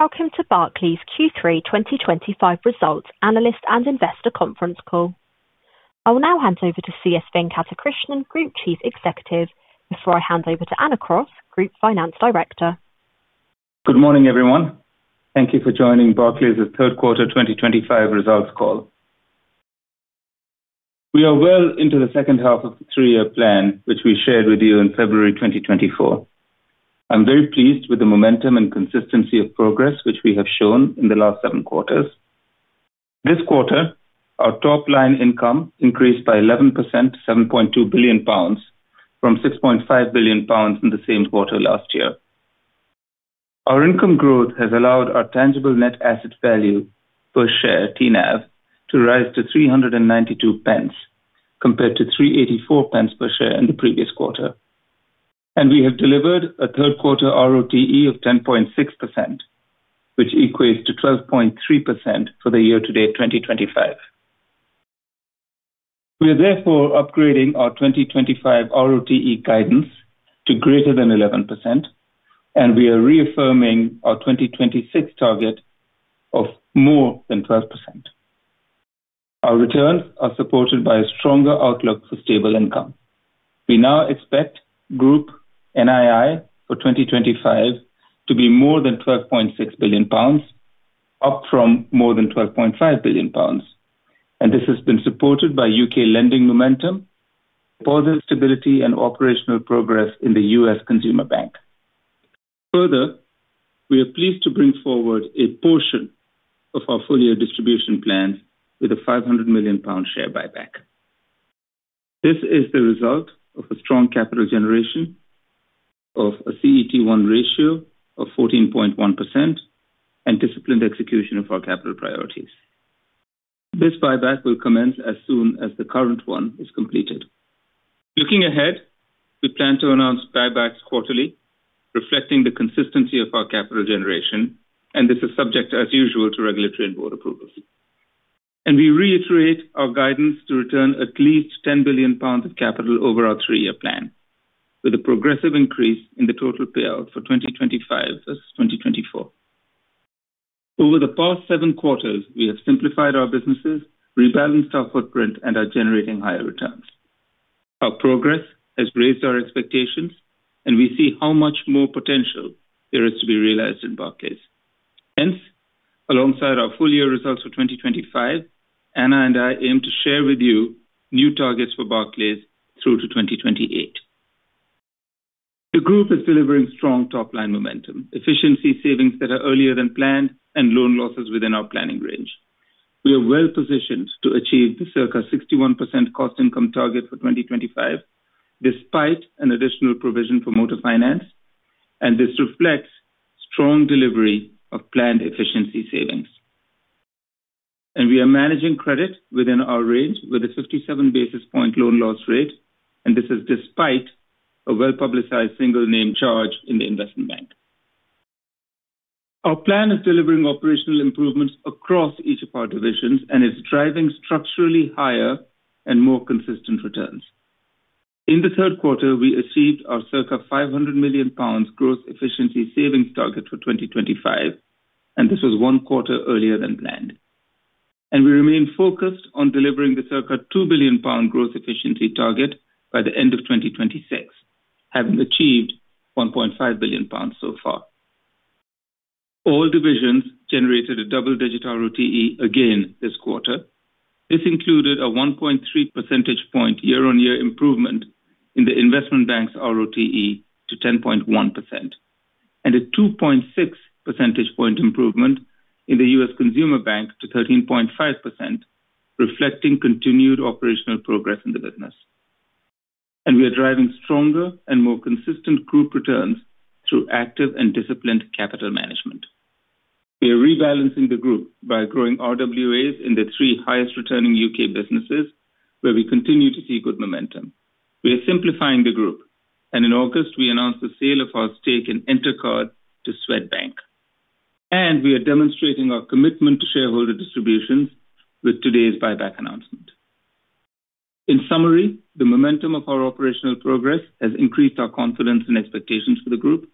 Welcome to Barclays Q3 2025 results analyst and investor conference call. I will now hand over to CS Venkatakrishnan, Group Chief Executive, before I hand over to Anna Cross, Group Finance Director. Good morning, everyone. Thank you for joining Barclays' third quarter 2025 results call. We are well into the second half of the three-year plan, which we shared with you in February 2024. I'm very pleased with the momentum and consistency of progress which we have shown in the last seven quarters. This quarter, our top line income increased by 11%, 7.2 billion pounds, from 6.5 billion pounds in the same quarter last year. Our income growth has allowed our tangible net asset value per share, TNAV, to rise to 3.92 compared to 3.84 per share in the previous quarter. We have delivered a third quarter ROTE of 10.6%, which equates to 12.3% for the year to date 2025. We are therefore upgrading our 2025 ROTE guidance to greater than 11%, and we are reaffirming our 2026 target of more than 12%. Our returns are supported by a stronger outlook for stable income. We now expect Group NII for 2025 to be more than 12.6 billion pounds, up from more than 12.5 billion pounds. This has been supported by U.K. lending momentum, deposit stability, and operational progress in the US Consumer Bank. Further, we are pleased to bring forward a portion of our full-year distribution plans with a 500 million pound share buyback. This is the result of a strong capital generation of a CET1 ratio of 14.1% and disciplined execution of our capital priorities. This buyback will commence as soon as the current one is completed. Looking ahead, we plan to announce buybacks quarterly, reflecting the consistency of our capital generation, and this is subject, as usual, to regulatory and board approvals. We reiterate our guidance to return at least 10 billion pounds of capital over our three-year plan, with a progressive increase in the total payout for 2025 versus 2024. Over the past seven quarters, we have simplified our businesses, rebalanced our footprint, and are generating higher returns. Our progress has raised our expectations, and we see how much more potential there is to be realized in Barclays. Hence, alongside our full-year results for 2025, Anna and I aim to share with you new targets for Barclays through to 2028. The group is delivering strong top line momentum, efficiency savings that are earlier than planned, and loan losses within our planning range. We are well positioned to achieve the circa 61% cost-income target for 2025, despite an additional provision for motor finance, and this reflects strong delivery of planned efficiency savings. We are managing credit within our range with a 57 basis point loan loss rate, despite a well-publicized single name charge in the Investment Bank. Our plan is delivering operational improvements across each of our divisions, and it is driving structurally higher and more consistent returns. In the third quarter, we achieved our circa 500 million pounds gross efficiency savings target for 2025, one quarter earlier than planned. We remain focused on delivering the circa 2 billion pound gross efficiency target by the end of 2026, having achieved 1.5 billion pounds so far. All divisions generated a double-digit ROTE again this quarter. This included a 1.3 percentage point year-on-year improvement in the Investment Bank's ROTE to 10.1%, and a 2.6 percentage point improvement in the US Consumer Bank to 13.5%, reflecting continued operational progress in the business. We are driving stronger and more consistent group returns through active and disciplined capital management. We are rebalancing the group by growing RWAs in the three highest returning UK businesses, where we continue to see good momentum. We are simplifying the group, and in August, we announced the sale of our stake in Intercard to Swedbank. We are demonstrating our commitment to shareholder distributions with today's buyback announcement. In summary, the momentum of our operational progress has increased our confidence and expectations for the group.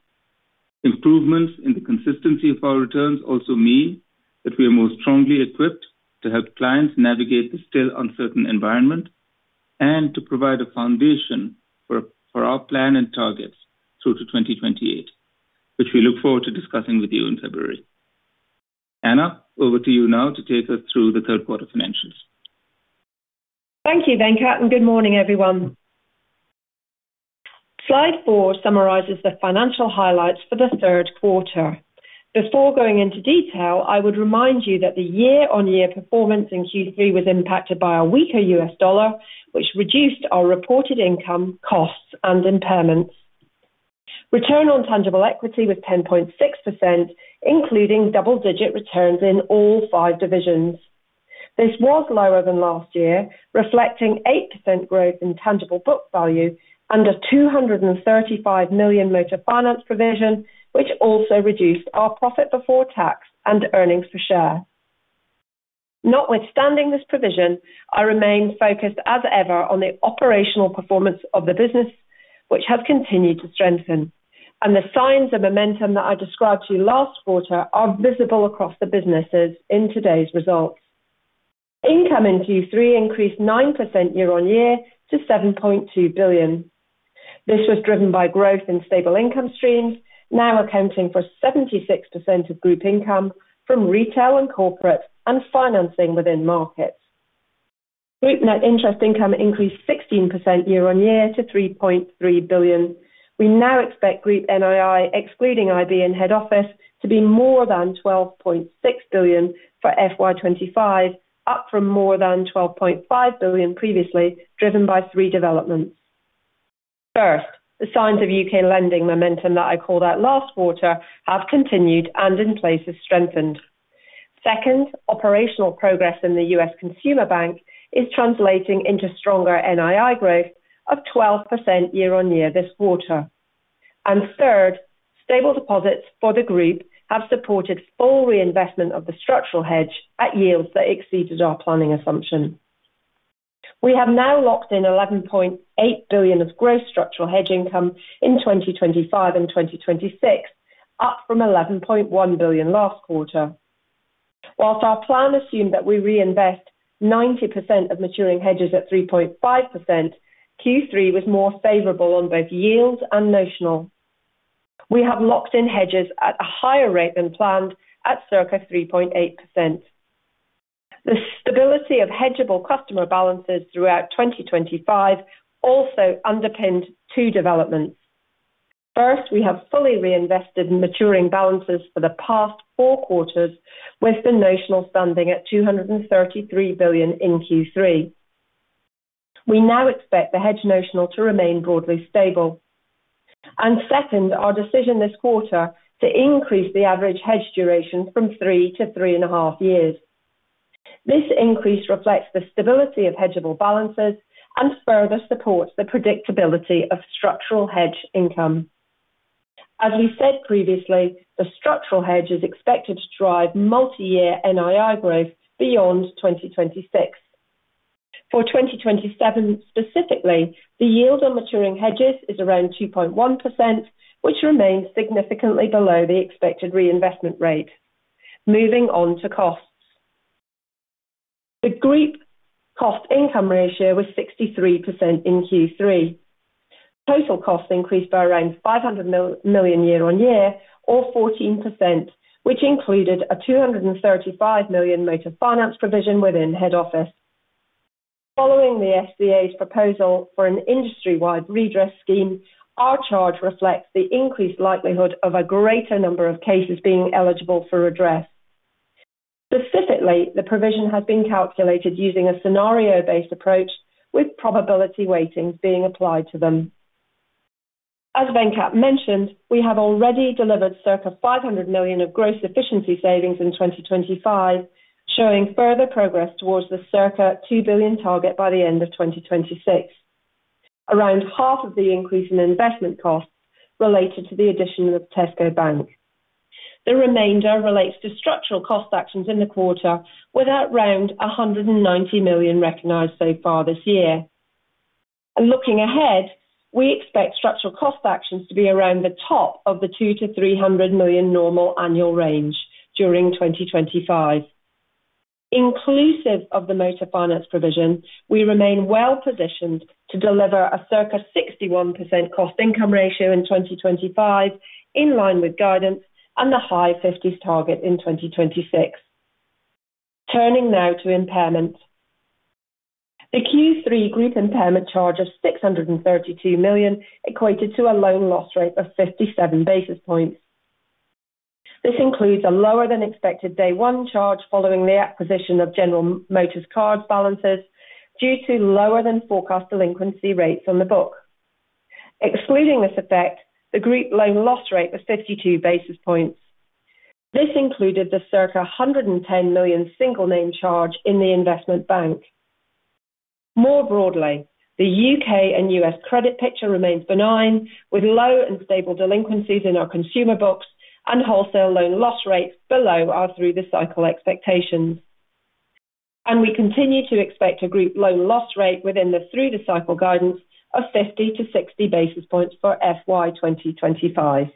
Improvements in the consistency of our returns also mean that we are more strongly equipped to help clients navigate the still uncertain environment and to provide a foundation for our plan and targets through to 2028, which we look forward to discussing with you in February. Anna, over to you now to take us through the third quarter financials. Thank you, Venkat, and good morning, everyone. Slide four summarizes the financial highlights for the third quarter. Before going into detail, I would remind you that the year-on-year performance in Q3 was impacted by a weaker U.S. dollar, which reduced our reported income, costs, and impairments. Return on tangible equity was 10.6%, including double-digit returns in all five divisions. This was lower than last year, reflecting 8% growth in tangible book value and a 235 million motor finance provision, which also reduced our profit before tax and earnings per share. Notwithstanding this provision, I remain focused, as ever, on the operational performance of the business, which has continued to strengthen. The signs of momentum that I described to you last quarter are visible across the businesses in today's results. Income in Q3 increased 9% year-on-year to 7.2 billion. This was driven by growth in stable income streams, now accounting for 76% of group income from retail and corporate and financing within markets. Group net interest income increased 16% year-on-year to 3.3 billion. We now expect Group NII, excluding IB in head office, to be more than 12.6 billion for FY 2025, up from more than 12.5 billion previously, driven by three developments. First, the signs of U.K. lending momentum that I called out last quarter have continued and in place have strengthened. Second, operational progress in the US Consumer Bank is translating into stronger NII growth of 12% year-on-year this quarter. Third, stable deposits for the group have supported full reinvestment of the structural hedge at yields that exceeded our planning assumption. We have now locked in 11.8 billion of gross structural hedge income in 2025 and 2026, up from 11.1 billion last quarter. Whilst our plan assumed that we reinvest 90% of maturing hedges at 3.5%, Q3 was more favorable on both yields and notional. We have locked in hedges at a higher rate than planned at circa 3.8%. The stability of Hedgeable customer balances throughout 2025 also underpinned two developments. First, we have fully reinvested maturing balances for the past four quarters, with the notional standing at 233 billion in Q3. We now expect the hedge notional to remain broadly stable. Second, our decision this quarter to increase the average hedge duration from three to three and a half years. This increase reflects the stability of Hedgeable balances and further supports the predictability of structural hedge income. As we said previously, the structural hedge is expected to drive multi-year NII growth beyond 2026. For 2027 specifically, the yield on maturing hedges is around 2.1%, which remains significantly below the expected reinvestment rate. Moving on to costs. The group cost-income ratio was 63% in Q3. Total costs increased by around 500 million year-on-year, or 14%, which included a 235 million motor finance provision within Head Office. Following the FCA's proposal for an industry-wide redress scheme, our charge reflects the increased likelihood of a greater number of cases being eligible for redress. Specifically, the provision has been calculated using a scenario-based approach, with probability weightings being applied to them. As Venkat mentioned, we have already delivered circa 500 million of gross efficiency savings in 2025, showing further progress towards the circa 2 billion target by the end of 2026. Around half of the increase in investment costs related to the addition of Tesco Bank. The remainder relates to structural cost actions in the quarter, with around 190 million recognized so far this year. Looking ahead, we expect structural cost actions to be around the top of the 200 million to 300 million normal annual range during 2025. Inclusive of the motor finance provision, we remain well positioned to deliver a circa 61% cost-income ratio in 2025, in line with guidance and the high 50s target in 2026. Turning now to impairments. The Q3 group impairment charge of 632 million equated to a loan loss rate of 57 basis points. This includes a lower than expected day one charge following the acquisition of General Motors cars balances due to lower than forecast delinquency rates on the book. Excluding this effect, the group loan loss rate was 52 basis points. This included the circa 110 million single name charge in the Investment Bank. More broadly, the U.K. and U.S. credit picture remains benign, with low and stable delinquencies in our consumer books and wholesale loan loss rates below our through-the-cycle expectations. We continue to expect a group loan loss rate within the through-the-cycle guidance of 50-60 basis points for FY 2025.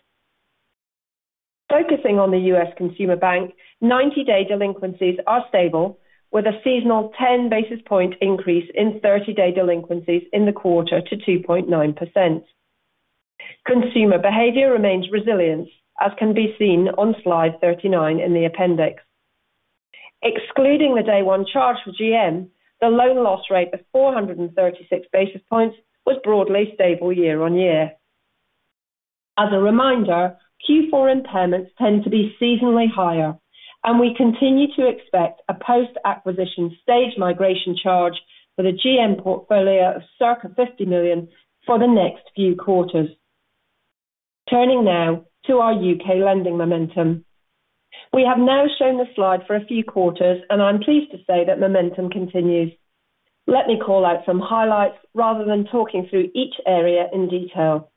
Focusing on the US Consumer Bank, 90-day delinquencies are stable, with a seasonal 10 basis point increase in 30-day delinquencies in the quarter to 2.9%. Consumer behavior remains resilient, as can be seen on slide 39 in the appendix. Excluding the day one charge for GM, the loan loss rate of 436 basis points was broadly stable year-on-year. As a reminder, Q4 impairments tend to be seasonally higher, and we continue to expect a post-acquisition stage migration charge for the GM portfolio of circa 50 million for the next few quarters. Turning now to our U.K. lending momentum. We have now shown the slide for a few quarters, and I'm pleased to say that momentum continues. Let me call out some highlights rather than talking through each area in detail.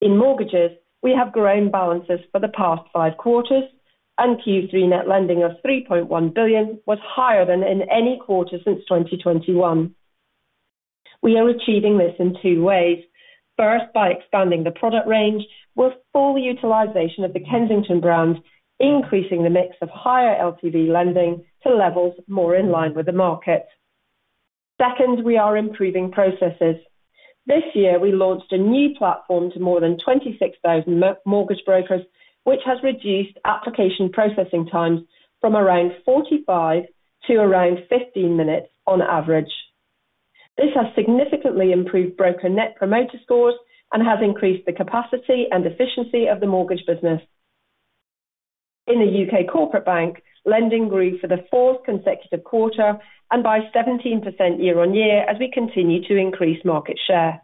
In mortgages, we have grown balances for the past five quarters, and Q3 net lending of 3.1 billion was higher than in any quarter since 2021. We are achieving this in two ways. First, by expanding the product range with full utilization of the Kensington brand, increasing the mix of higher LTV lending to levels more in line with the market. Second, we are improving processes. This year, we launched a new platform to more than 26,000 mortgage brokers, which has reduced application processing times from around 45 to around 15 minutes on average. This has significantly improved broker net promoter scores and has increased the capacity and efficiency of the mortgage business. In the UK corporate bank, lending grew for the fourth consecutive quarter and by 17% year-on-year as we continue to increase market share.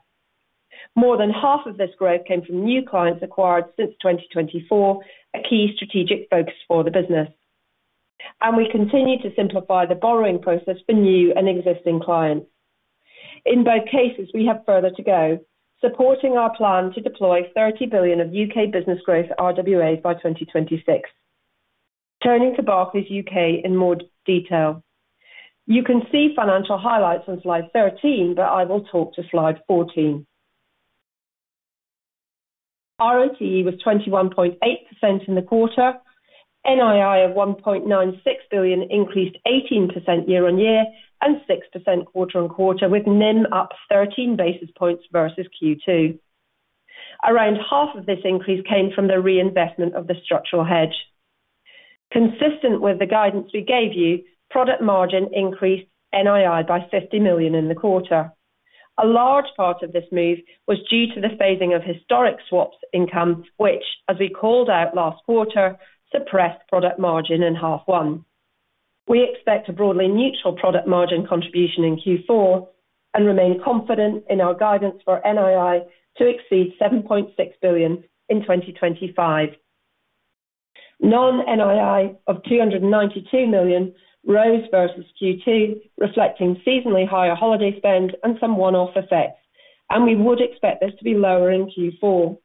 More than half of this growth came from new clients acquired since 2024, a key strategic focus for the business. We continue to simplify the borrowing process for new and existing clients. In both cases, we have further to go, supporting our plan to deploy 30 billion of U.K. business growth RWAs by 2026. Turning to Barclays U.K. in more detail. You can see financial highlights on slide 13, but I will talk to slide 14. ROTE was 21.8% in the quarter. NII of 1.96 billion increased 18% year-on-year and 6% quarter-on-quarter, with NIM up 13 basis points versus Q2. Around half of this increase came from the reinvestment of the structural hedge. Consistent with the guidance we gave you, product margin increased NII by 50 million in the quarter. A large part of this move was due to the phasing of historic swaps income, which, as we called out last quarter, suppressed product margin in half one. We expect a broadly neutral product margin contribution in Q4 and remain confident in our guidance for NII to exceed 7.6 billion in 2025. Non-NII of 292 million rose versus Q2, reflecting seasonally higher holiday spend and some one-off effects, and we would expect this to be lower in Q4.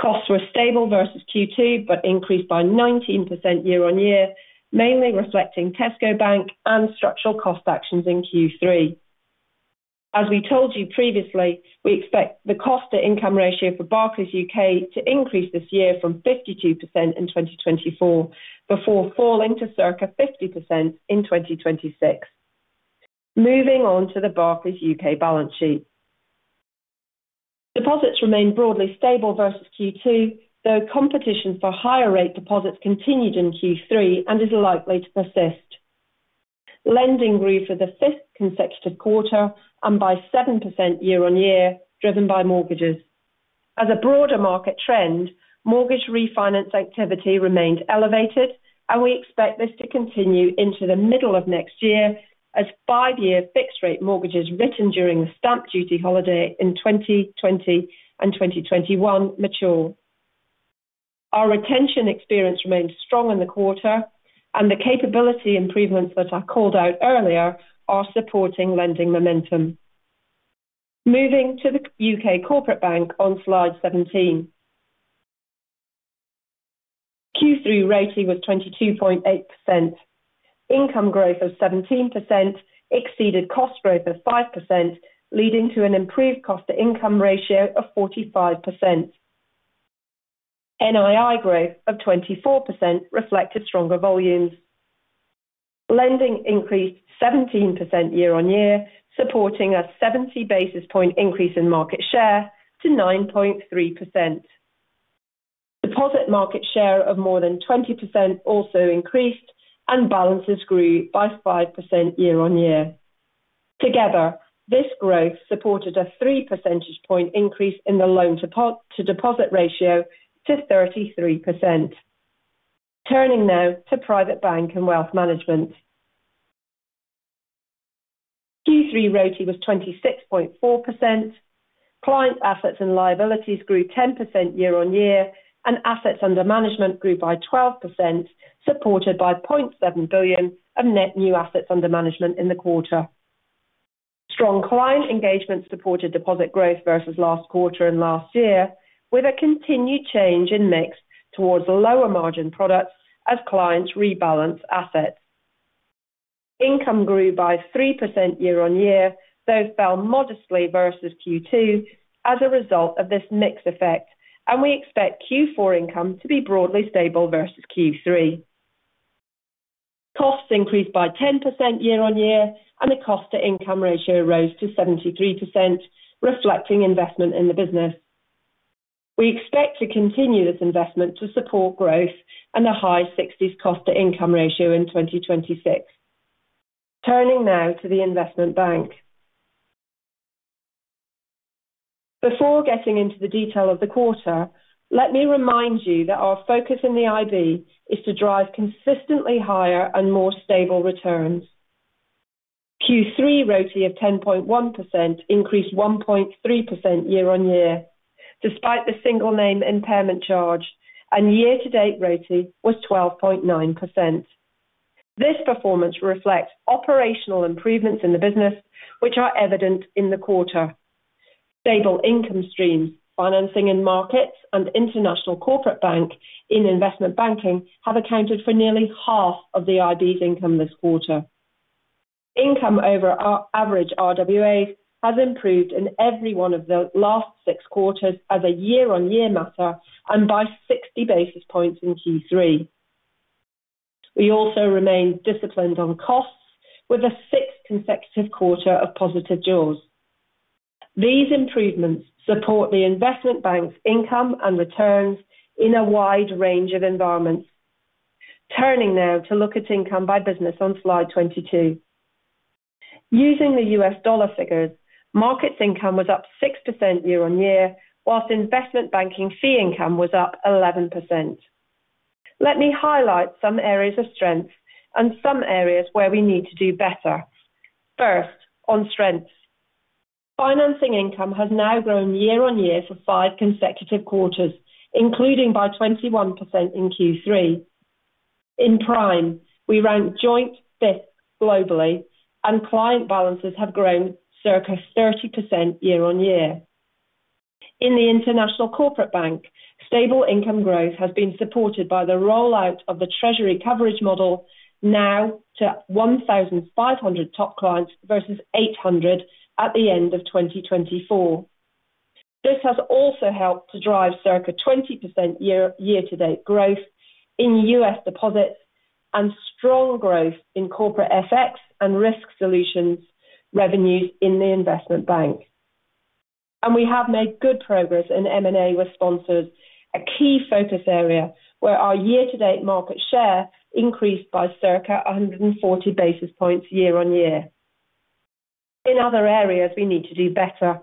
Costs were stable versus Q2 but increased by 19% year-on-year, mainly reflecting Tesco Bank and structural cost actions in Q3. As we told you previously, we expect the cost-to-income ratio for Barclays U.K. to increase this year from 52% in 2024, before falling to circa 50% in 2026. Moving on to the Barclays U.K. balance sheet. Deposits remain broadly stable versus Q2, though competition for higher rate deposits continued in Q3 and is likely to persist. Lending grew for the fifth consecutive quarter and by 7% year-on-year, driven by mortgages. As a broader market trend, mortgage refinance activity remained elevated, and we expect this to continue into the middle of next year as five-year fixed-rate mortgages written during the stamp duty holiday in 2020 and 2021 mature. Our retention experience remains strong in the quarter, and the capability improvements that I called out earlier are supporting lending momentum. Moving to the UK corporate bank on slide 17. Q3 rating was 22.8%. Income growth of 17% exceeded cost growth of 5%, leading to an improved cost-to-income ratio of 45%. NII growth of 24% reflected stronger volumes. Lending increased 17% year-on-year, supporting a 70 basis point increase in market share to 9.3%. Deposit market share of more than 20% also increased, and balances grew by 5% year-on-year. Together, this growth supported a three percentage point increase in the loan-to-deposit ratio to 33%. Turning now to Private Bank and Wealth Management. Q3 rating was 26.4%. Client assets and liabilities grew 10% year-on-year, and assets under management grew by 12%, supported by 0.7 billion of net new assets under management in the quarter. Strong client engagement supported deposit growth versus last quarter and last year, with a continued change in mix towards lower margin products as clients rebalance assets. Income grew by 3% year-on-year, though fell modestly versus Q2 as a result of this mix effect, and we expect Q4 income to be broadly stable versus Q3. Costs increased by 10% year-on-year, and the cost-to-income ratio rose to 73%, reflecting investment in the business. We expect to continue this investment to support growth and a high 60s cost-to-income ratio in 2026. Turning now to the Investment Bank. Before getting into the detail of the quarter, let me remind you that our focus in the IB is to drive consistently higher and more stable returns. Q3 ROTE of 10.1% increased 1.3% year-on-year despite the single name impairment charge, and year-to-date ROTE was 12.9%. This performance reflects operational improvements in the business, which are evident in the quarter. Stable income streams, financing in markets, and International Corporate Bank in Investment Banking have accounted for nearly half of the IB's income this quarter. Income over average RWAs has improved in every one of the last six quarters as a year-on-year matter and by 60 basis points in Q3. We also remain disciplined on costs with a sixth consecutive quarter of positive jaws. These improvements support the Investment Bank's income and returns in a wide range of environments. Turning now to look at income by business on slide 22. Using the U.S. dollar figures, markets income was up 6% year-on-year, whilst investment banking fee income was up 11%. Let me highlight some areas of strength and some areas where we need to do better. First, on strengths. Financing income has now grown year-on-year for five consecutive quarters, including by 21% in Q3. In prime, we ranked joint fifth globally, and client balances have grown circa 30% year-on-year. In the International Corporate Bank, stable income growth has been supported by the rollout of the treasury coverage model now to 1,500 top clients versus 800 at the end of 2024. This has also helped to drive circa 20% year-to-date growth in U.S. deposits and strong growth in corporate FX and risk solutions revenues in the Investment Bank. We have made good progress in M&A with sponsors, a key focus area where our year-to-date market share increased by circa 140 basis points year-on-year. In other areas, we need to do better.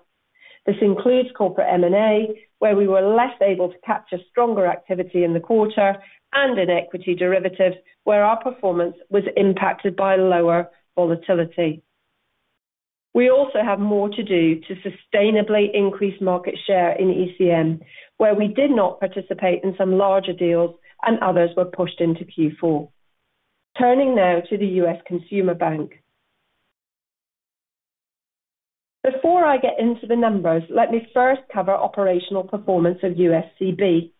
This includes corporate M&A, where we were less able to capture stronger activity in the quarter, and in equity derivatives, where our performance was impacted by lower volatility. We also have more to do to sustainably increase market share in ECM, where we did not participate in some larger deals and others were pushed into Q4. Turning now to the US Consumer Bank. Before I get into the numbers, let me first cover operational performance of USCB.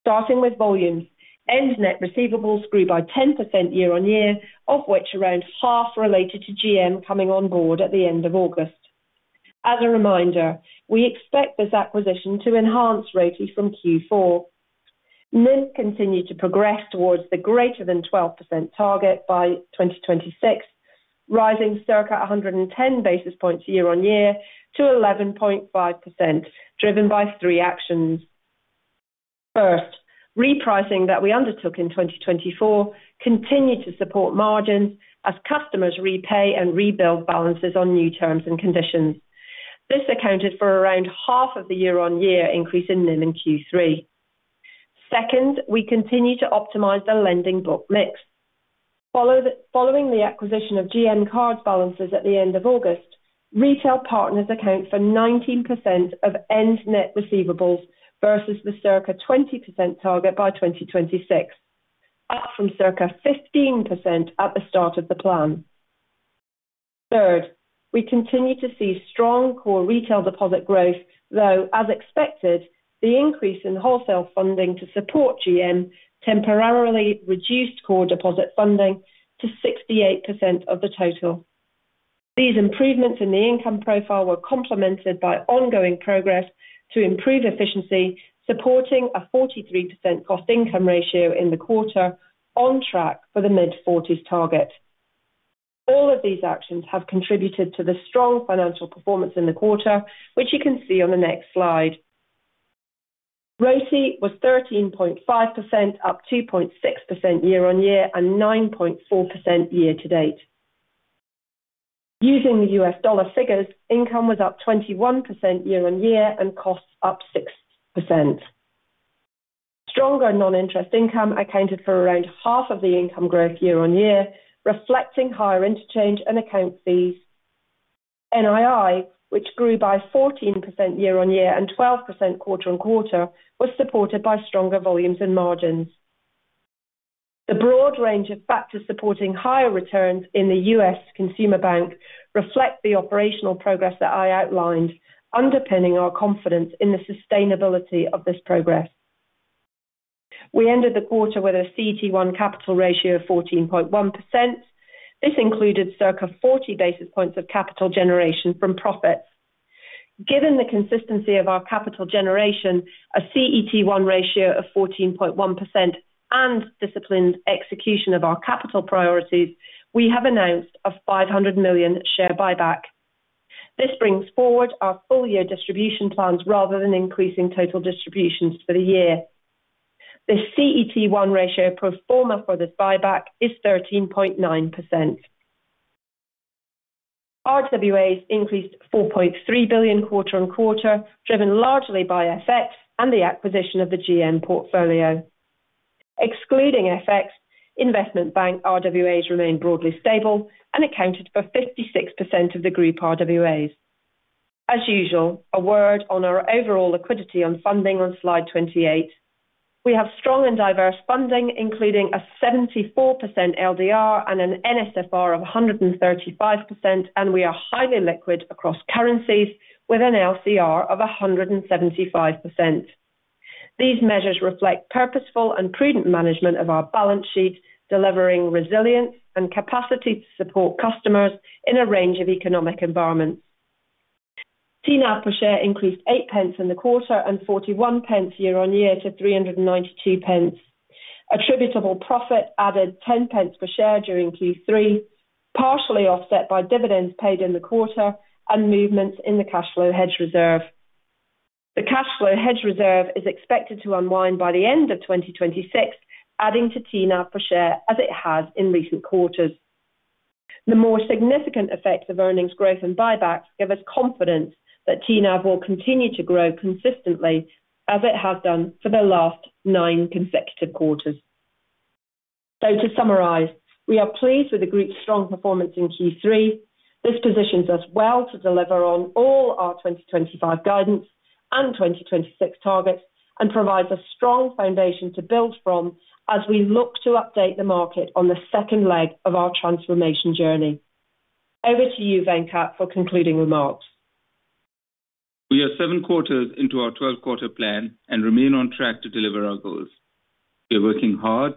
Starting with volumes, end net receivables grew by 10% year-on-year, of which around half related to GM coming on board at the end of August. As a reminder, we expect this acquisition to enhance royalty from Q4. NIM continued to progress towards the greater than 12% target by 2026, rising circa 110 basis points year-on-year to 11.5%, driven by three actions. First, repricing that we undertook in 2024 continued to support margins as customers repay and rebuild balances on new terms and conditions. This accounted for around half of the year-on-year increase in NIM in Q3. Second, we continue to optimize the lending book mix. Following the acquisition of GM cards balances at the end of August, retail partners account for 19% of end net receivables versus the circa 20% target by 2026, up from circa 15% at the start of the plan. Third, we continue to see strong core retail deposit growth, though as expected, the increase in wholesale funding to support GM temporarily reduced core deposit funding to 68% of the total. These improvements in the income profile were complemented by ongoing progress to improve efficiency, supporting a 43% cost-income ratio in the quarter, on track for the mid-40s target. All of these actions have contributed to the strong financial performance in the quarter, which you can see on the next slide. ROTE was 13.5%, up 2.6% year-on-year, and 9.4% year-to-date. Using the U.S. dollar figures, income was up 21% year-on-year and costs up 6%. Stronger non-interest income accounted for around half of the income growth year-on-year, reflecting higher interchange and account fees. NII, which grew by 14% year-on-year and 12% quarter-on-quarter, was supported by stronger volumes and margins. The broad range of factors supporting higher returns in the U.S. Consumer Bank reflect the operational progress that I outlined, underpinning our confidence in the sustainability of this progress. We ended the quarter with a CET1 capital ratio of 14.1%. This included circa 40 basis points of capital generation from profits. Given the consistency of our capital generation, a CET1 ratio of 14.1%, and disciplined execution of our capital priorities, we have announced a 500 million share buyback. This brings forward our full-year distribution plans rather than increasing total distributions for the year. The CET1 ratio pro forma for this buyback is 13.9%. RWAs increased 4.3 billion quarter-on-quarter, driven largely by FX and the acquisition of the GM portfolio. Excluding FX, Investment Bank RWAs remain broadly stable and accounted for 56% of the group RWAs. As usual, a word on our overall liquidity and funding on slide 28. We have strong and diverse funding, including a 74% LDR and an NSFR of 135%, and we are highly liquid across currencies with an LCR of 175%. These measures reflect purposeful and prudent management of our balance sheet, delivering resilience and capacity to support customers in a range of economic environments. TNAV per share increased eight pence in the quarter and 41 pence year-on-year to 392 pence. Attributable profit added 10 pence per share during Q3, partially offset by dividends paid in the quarter and movements in the cash flow hedge reserve. The cash flow hedge reserve is expected to unwind by the end of 2026, adding to TNAV per share as it has in recent quarters. The more significant effects of earnings growth and buybacks give us confidence that TNAV will continue to grow consistently as it has done for the last nine consecutive quarters. To summarize, we are pleased with the group's strong performance in Q3. This positions us well to deliver on all our 2025 guidance and 2026 targets and provides a strong foundation to build from as we look to update the market on the second leg of our transformation journey. Over to you, Venkat, for concluding remarks. We are seven quarters into our 12-quarter plan and remain on track to deliver our goals. We are working hard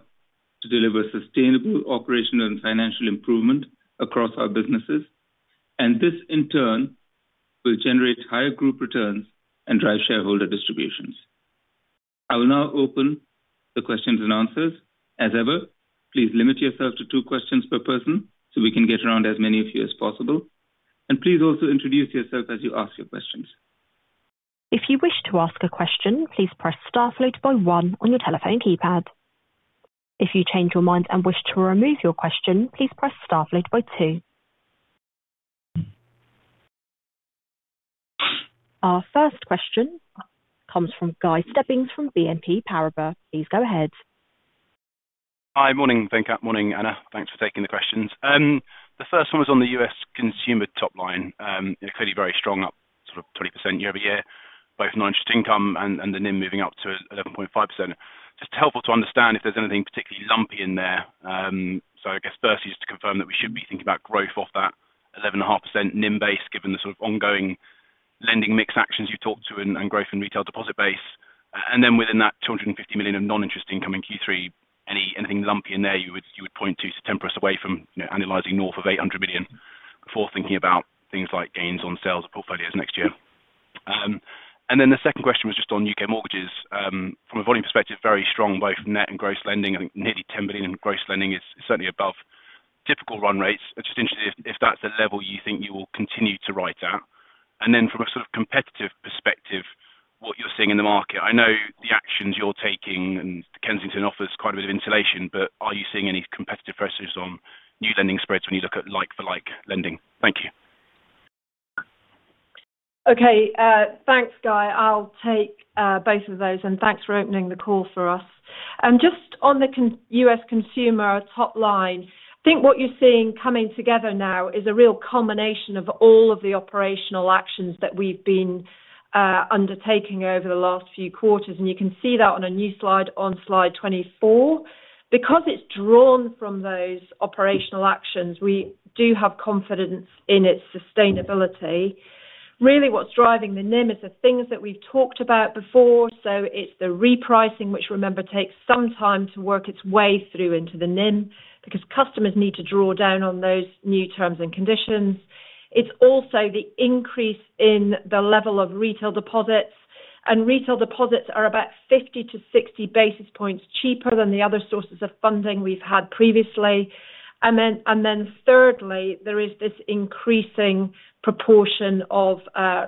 to deliver sustainable operational and financial improvement across our businesses, and this in turn will generate higher group returns and drive shareholder distributions. I will now open the questions and answers. As ever, please limit yourself to two questions per person so we can get around as many of you as possible, and please also introduce yourself as you ask your questions. If you wish to ask a question, please press star followed by one on your telephone keypad. If you change your mind and wish to remove your question, please press star followed by two. Our first question comes from Guy Stebbings from BNP Paribas. Please go ahead. Hi, morning Venkat, morning Anna. Thanks for taking the questions. The first one was on the U.S. Consumer top line. Clearly very strong, up sort of 20% year-over-year, both non-interest income and the NIM moving up to 11.5%. Just helpful to understand if there's anything particularly lumpy in there. I guess first, just to confirm that we should be thinking about growth off that 11.5% NIM base, given the sort of ongoing lending mix actions you talked to and growth in retail deposit base. Within that $250 million of non-interest income in Q3, is there anything lumpy in there you would point to to temper us away from analyzing north of $800 million before thinking about things like gains on sales of portfolios next year? The second question was just on U.K. mortgages. From a volume perspective, very strong both net and gross lending. I think nearly 10 billion in gross lending is certainly above typical run rates. I'm just interested if that's the level you think you will continue to write at. From a sort of competitive perspective, what you're seeing in the market. I know the actions you're taking and Kensington offers quite a bit of insulation, but are you seeing any competitive pressures on new lending spreads when you look at like-for-like lending? Thank you. Okay, thanks, Guy. I'll take both of those, and thanks for opening the call for us. Just on the U.S. consumer top line, I think what you're seeing coming together now is a real combination of all of the operational actions that we've been undertaking over the last few quarters. You can see that on a new slide on slide 24. Because it's drawn from those operational actions, we do have confidence in its sustainability. Really, what's driving the NIM is the things that we've talked about before. It's the repricing, which, remember, takes some time to work its way through into the NIM because customers need to draw down on those new terms and conditions. It's also the increase in the level of retail deposits, and retail deposits are about 50-60 basis points cheaper than the other sources of funding we've had previously. Thirdly, there is this increasing proportion of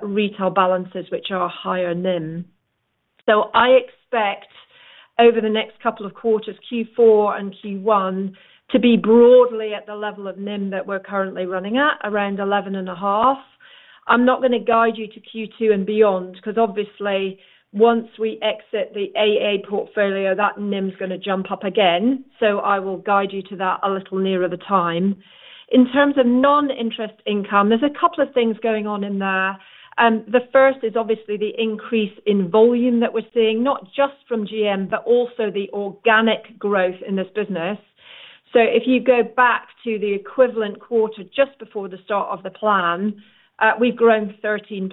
retail balances, which are higher NIM. I expect over the next couple of quarters, Q4 and Q1, to be broadly at the level of NIM that we're currently running at, around 11.5. I'm not going to guide you to Q2 and beyond because obviously once we exit the AA portfolio, that NIM is going to jump up again. I will guide you to that a little nearer the time. In terms of non-interest income, there's a couple of things going on in there. The first is obviously the increase in volume that we're seeing, not just from GM, but also the organic growth in this business. If you go back to the equivalent quarter just before the start of the plan, we've grown 13%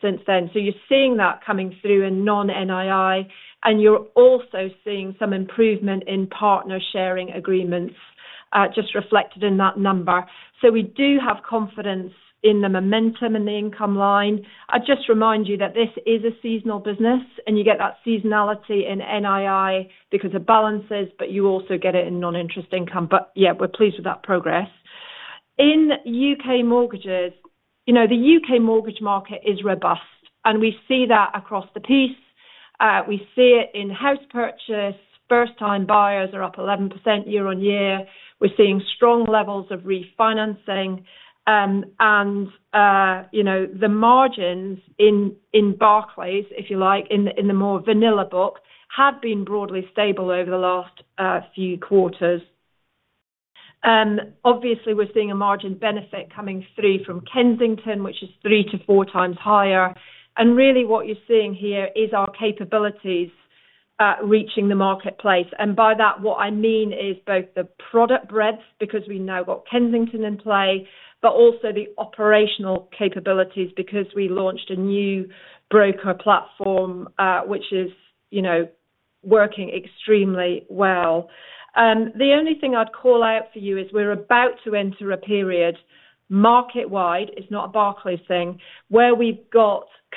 since then. You're seeing that coming through in non-NII, and you're also seeing some improvement in partner sharing agreements, just reflected in that number. We do have confidence in the momentum and the income line. I just remind you that this is a seasonal business, and you get that seasonality in NII because of balances, but you also get it in non-interest income. We're pleased with that progress. In U.K. mortgages, you know the U.K. mortgage market is robust, and we see that across the piece. We see it in house purchase. First-time buyers are up 11% year-on-year. We're seeing strong levels of refinancing, and you know the margins in Barclays, if you like, in the more vanilla book, have been broadly stable over the last few quarters. We're seeing a margin benefit coming through from Kensington, which is three to four times higher. What you're seeing here is our capabilities reaching the marketplace. By that, what I mean is both the product breadth because we now have Kensington in play, and also the operational capabilities because we launched a new broker platform, which is working extremely well. The only thing I'd call out for you is we're about to enter a period market-wide, it's not a Barclays thing, where we have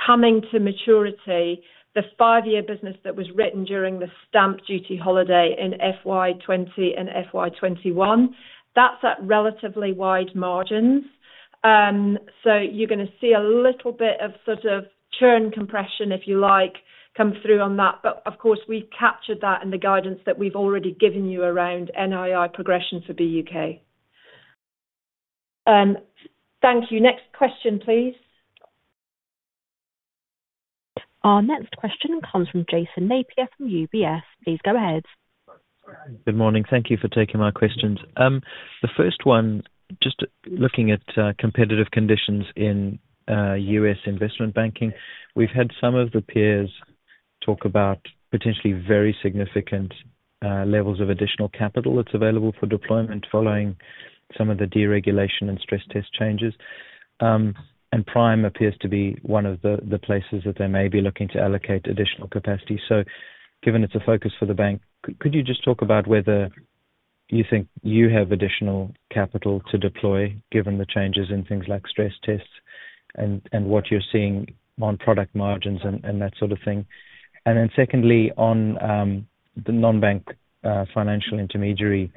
coming to maturity the five-year business that was written during the stamp duty holiday in FY 2020 and FY 2021. That's at relatively wide margins. You're going to see a little bit of churn compression, if you like, come through on that. Of course, we captured that in the guidance that we've already given you around NII progression for BUK. Thank you. Next question, please. Our next question comes from Jason Napier from UBS. Please go ahead. Good morning. Thank you for taking my questions. The first one, just looking at competitive conditions in US investment banking, we've had some of the peers talk about potentially very significant levels of additional capital that's available for deployment following some of the deregulation and stress test changes. Prime appears to be one of the places that they may be looking to allocate additional capacity. Given it's a focus for the bank, could you just talk about whether you think you have additional capital to deploy given the changes in things like stress tests and what you're seeing on product margins and that sort of thing? Secondly, on the non-bank financial intermediary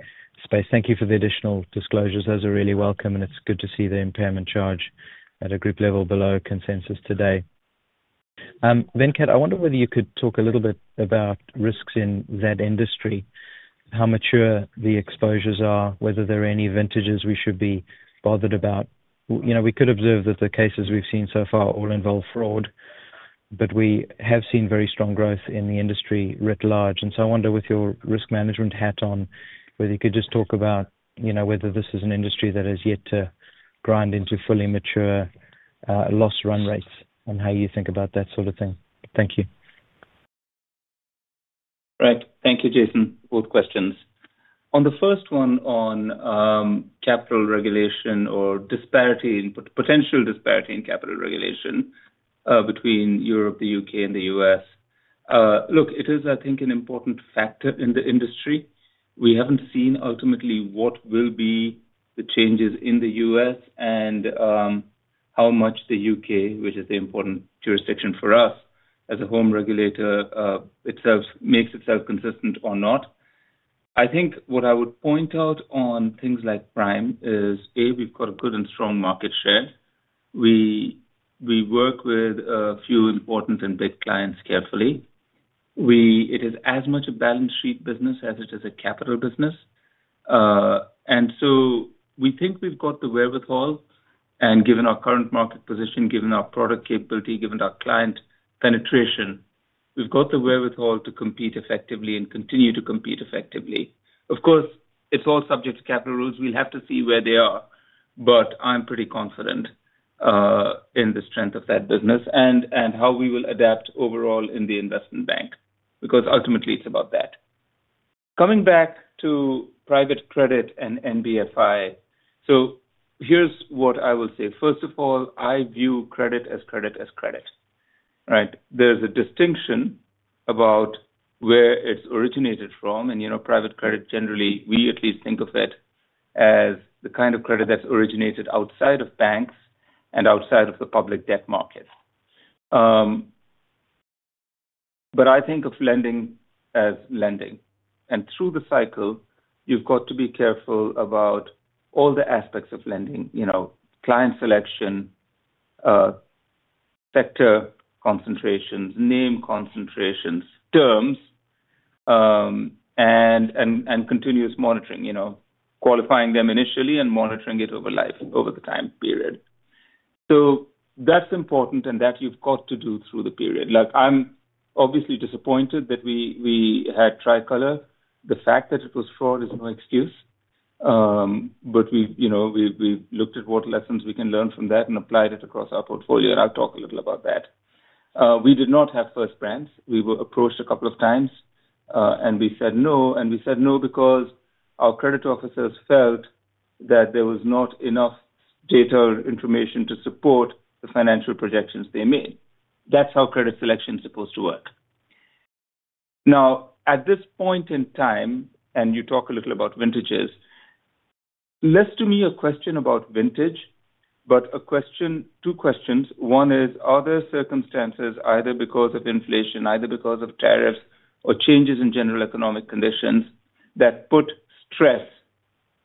space, thank you for the additional disclosures. Those are really welcome, and it's good to see the impairment charge at a group level below consensus today. Venkat, I wonder whether you could talk a little bit about risks in that industry, how mature the exposures are, whether there are any vintages we should be bothered about. We could observe that the cases we've seen so far all involve fraud, but we have seen very strong growth in the industry writ large. I wonder with your risk management hat on, whether you could just talk about whether this is an industry that has yet to grind into fully mature loss run rates and how you think about that sort of thing. Thank you. Right. Thank you, Jason, all the questions. On the first one on capital regulation or disparity in potential disparity in capital regulation between Europe, the U.K., and the U.S. It is, I think, an important factor in the industry. We haven't seen ultimately what will be the changes in the U.S. and how much the U.K., which is the important jurisdiction for us as a home regulator, itself makes itself consistent or not. I think what I would point out on things like Prime is, A, we've got a good and strong market share. We work with a few important and big clients carefully. It is as much a balance sheet business as it is a capital business. We think we've got the wherewithal, and given our current market position, given our product capability, given our client penetration, we've got the wherewithal to compete effectively and continue to compete effectively. Of course, it's all subject to capital rules. We'll have to see where they are. I'm pretty confident in the strength of that business and how we will adapt overall in the Investment Bank because ultimately it's about that. Coming back to private credit and NBFI, here's what I will say. First of all, I view credit as credit as credit. There's a distinction about where it's originated from, and you know, private credit generally, we at least think of it as the kind of credit that's originated outside of banks and outside of the public debt market. I think of lending as lending. Through the cycle, you've got to be careful about all the aspects of lending, you know, client selection, sector concentrations, name concentrations, terms, and continuous monitoring, qualifying them initially and monitoring it over life, over the time period. That's important, and that you've got to do through the period. I'm obviously disappointed that we had Tricolor. The fact that it was fraud is no excuse. We've looked at what lessons we can learn from that and applied it across our portfolio, and I'll talk a little about that. We did not have First Brands. We were approached a couple of times, and we said no, and we said no because our credit officers felt that there was not enough data or information to support the financial projections they made. That's how credit selection is supposed to work. At this point in time, and you talk a little about vintages, less to me a question about vintage, but a question, two questions. One is, are there circumstances, either because of inflation, either because of tariffs, or changes in general economic conditions that put stress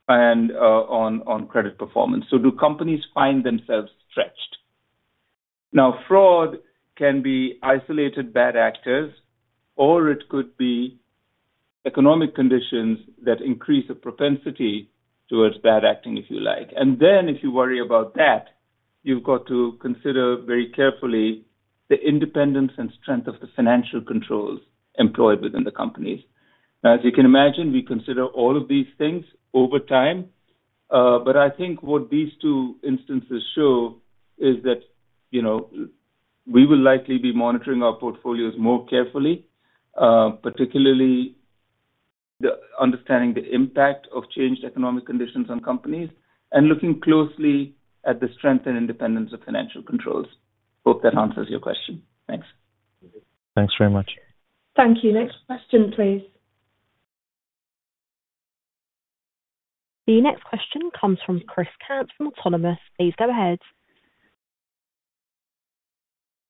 on credit performance? Do companies find themselves stretched? Fraud can be isolated bad actors, or it could be economic conditions that increase a propensity towards bad acting, if you like. If you worry about that, you've got to consider very carefully the independence and strength of the financial controls employed within the companies. As you can imagine, we consider all of these things over time. I think what these two instances show is that we will likely be monitoring our portfolios more carefully, particularly understanding the impact of changed economic conditions on companies and looking closely at the strength and independence of financial controls. Hope that answers your question. Thanks. Thanks very much. Thank you. Next question, please. The next question comes from Chris Mannfrom Autonomous. Please go ahead.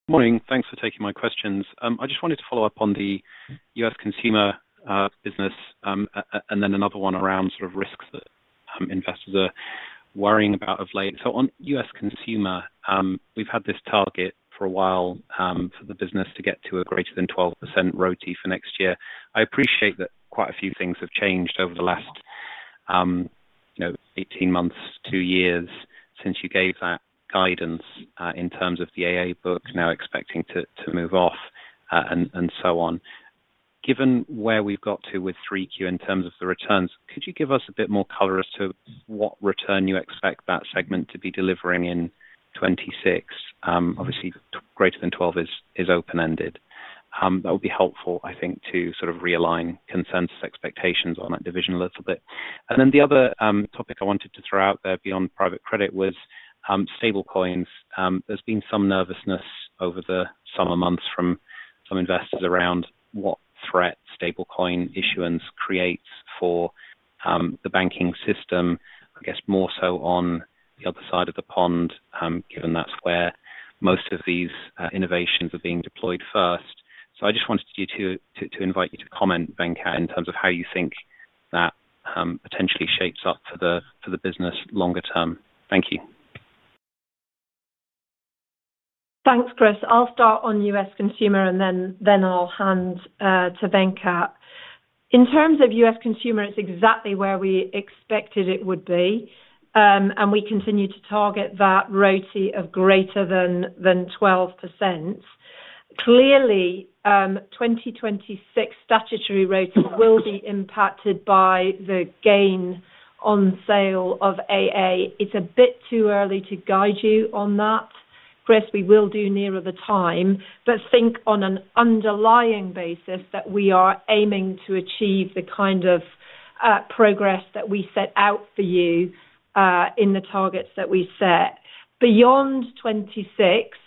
Morning. Thanks for taking my questions. I just wanted to follow up on the US Consumer Bank and then another one around sort of risks that investors are worrying about of late. On US Consumer Bank, we've had this target for a while for the business to get to a greater than 12% ROTE for next year. I appreciate that quite a few things have changed over the last, you know, 18 months, two years since you gave that guidance in terms of the AA book now expecting to move off and so on. Given where we've got to with Q3 in terms of the returns, could you give us a bit more color as to what return you expect that segment to be delivering in 2026? Obviously, greater than 12% is open-ended. That would be helpful, I think, to sort of realign consensus expectations on that division a little bit. The other topic I wanted to throw out there beyond private credit was stablecoins. There's been some nervousness over the summer months from some investors around what threat stablecoin issuance creates for the banking system, I guess more so on the other side of the pond, given that's where most of these innovations are being deployed first. I just wanted to invite you to comment, Venkat, in terms of how you think that potentially shapes up for the business longer term. Thank you. Thanks, Chris. I'll start on US Consumer, and then I'll hand to Venkat. In terms of US Consumer, it's exactly where we expected it would be, and we continue to target that ROTE of greater than 12%. Clearly, 2026 statutory ROTE will be impacted by the gain on sale of AA. It's a bit too early to guide you on that, Chris. We will do nearer the time, but think on an underlying basis that we are aiming to achieve the kind of progress that we set out for you in the targets that we set. Beyond 2026,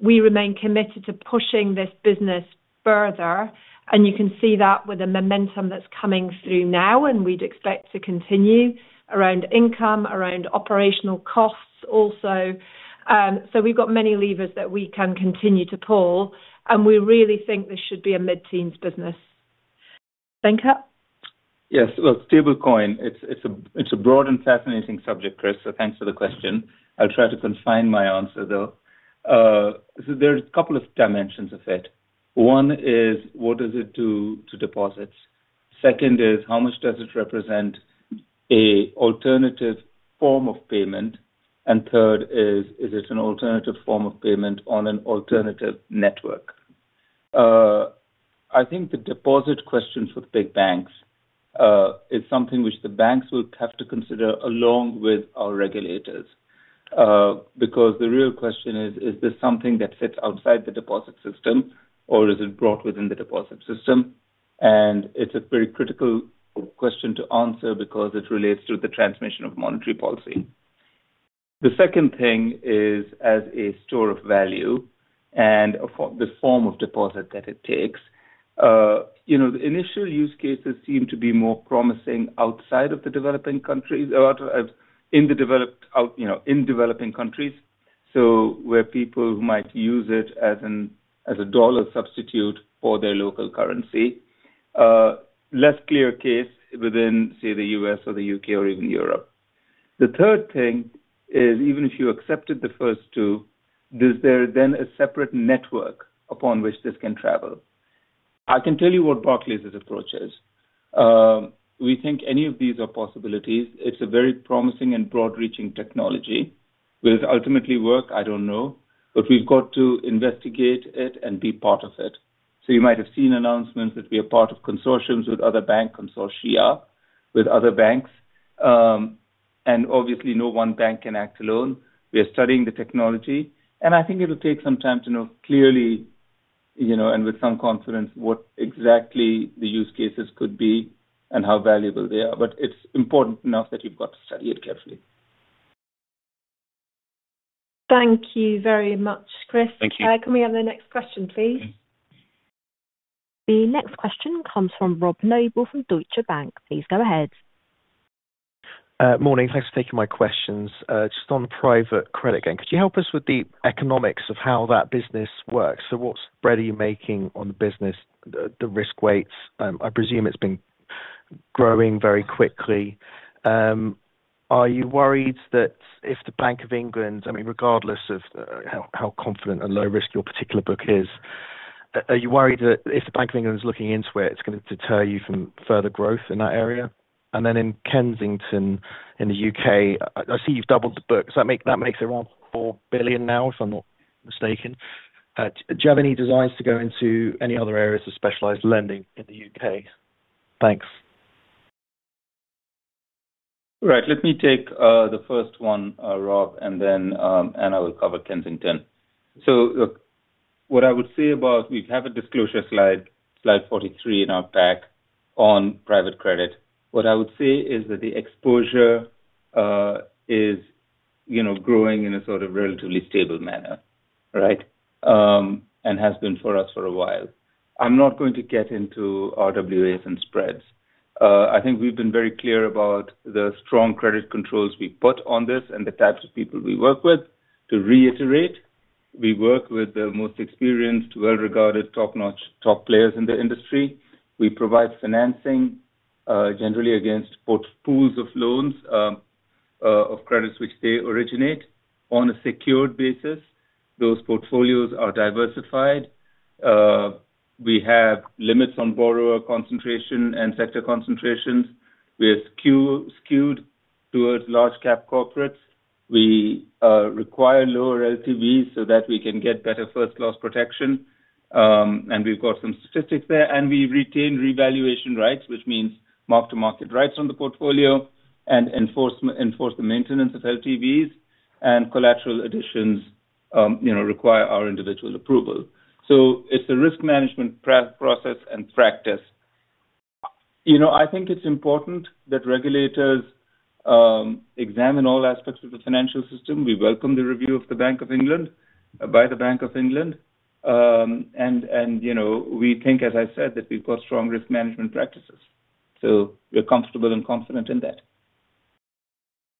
we remain committed to pushing this business further, and you can see that with the momentum that's coming through now, and we'd expect to continue around income, around operational costs also. We've got many levers that we can continue to pull, and we really think this should be a mid-teens business. Venkat? Yes. Stablecoin is a broad and fascinating subject, Chris, so thanks for the question. I'll try to confine my answer, though. There are a couple of dimensions of it. One is, what does it do to deposits? Second is, how much does it represent an alternative form of payment? Third is, is it an alternative form of payment on an alternative network? I think the deposit question for the big banks is something which the banks will have to consider along with our regulators because the real question is, is this something that fits outside the deposit system, or is it brought within the deposit system? It's a very critical question to answer because it relates to the transmission of monetary policy. The second thing is, as a store of value and the form of deposit that it takes, the initial use cases seem to be more promising in developing countries, where people might use it as a dollar substitute for their local currency. Less clear case within, say, the U.S. or the U.K. or even Europe. The third thing is, even if you accepted the first two, is there then a separate network upon which this can travel? I can tell you what Barclays' approach is. We think any of these are possibilities. It's a very promising and broad-reaching technology. Will it ultimately work? I don't know. We've got to investigate it and be part of it. You might have seen announcements that we are part of consortia with other banks. Obviously, no one bank can act alone. We are studying the technology. I think it'll take some time to know clearly, and with some confidence, what exactly the use cases could be and how valuable they are. It's important enough that you've got to study it carefully. Thank you very much, Chris. Thank you. Can we have the next question, please? The next question comes from Rob Noble from Deutsche Bank. Please go ahead. Morning. Thanks for taking my questions. Just on private credit again, could you help us with the economics of how that business works? What spread are you making on the business, the risk weights? I presume it's been growing very quickly. Are you worried that if the Bank of England, I mean, regardless of how confident and low-risk your particular book is, are you worried that if the Bank of England is looking into it, it's going to deter you from further growth in that area? In Kensington in the U.K., I see you've doubled the book. Does that make around 4 billion now, if I'm not mistaken? Do you have any designs to go into any other areas of specialized lending in the U.K.? Thanks. Right. Let me take the first one, Rob, and then Anna will cover Kensington. What I would say is that we have a disclosure slide, slide 43 in our pack on private credit. What I would say is that the exposure is growing in a relatively stable manner, right? It has been for us for a while. I'm not going to get into RWAs and spreads. I think we've been very clear about the strong credit controls we put on this and the types of people we work with. To reiterate, we work with the most experienced, well-regarded, top-notch, top players in the industry. We provide financing generally against pools of loans of credits which they originate on a secured basis. Those portfolios are diversified. We have limits on borrower concentration and sector concentrations. We are skewed towards large-cap corporates. We require lower LTVs so that we can get better first loss protection. We've got some statistics there. We retain revaluation rights, which means mark-to-market rights on the portfolio, and enforce the maintenance of LTVs. Collateral additions require our individual approval. It's a risk management process and practice. I think it's important that regulators examine all aspects of the financial system. We welcome the review by the Bank of England. We think, as I said, that we've got strong risk management practices. We're comfortable and confident in that.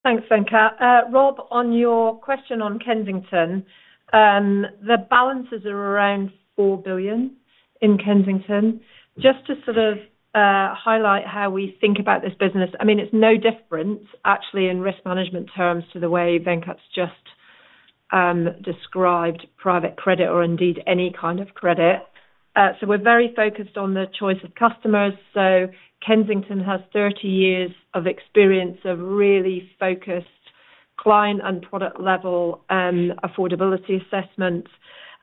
Thanks, Venkat. Rob, on your question on Kensington, the balances are around 4 billion in Kensington. Just to sort of highlight how we think about this business, it's no different actually in risk management terms to the way Venkat's just described private credit or indeed any kind of credit. We're very focused on the choice of customers. Kensington has 30 years of experience of really focused client and product level affordability assessments.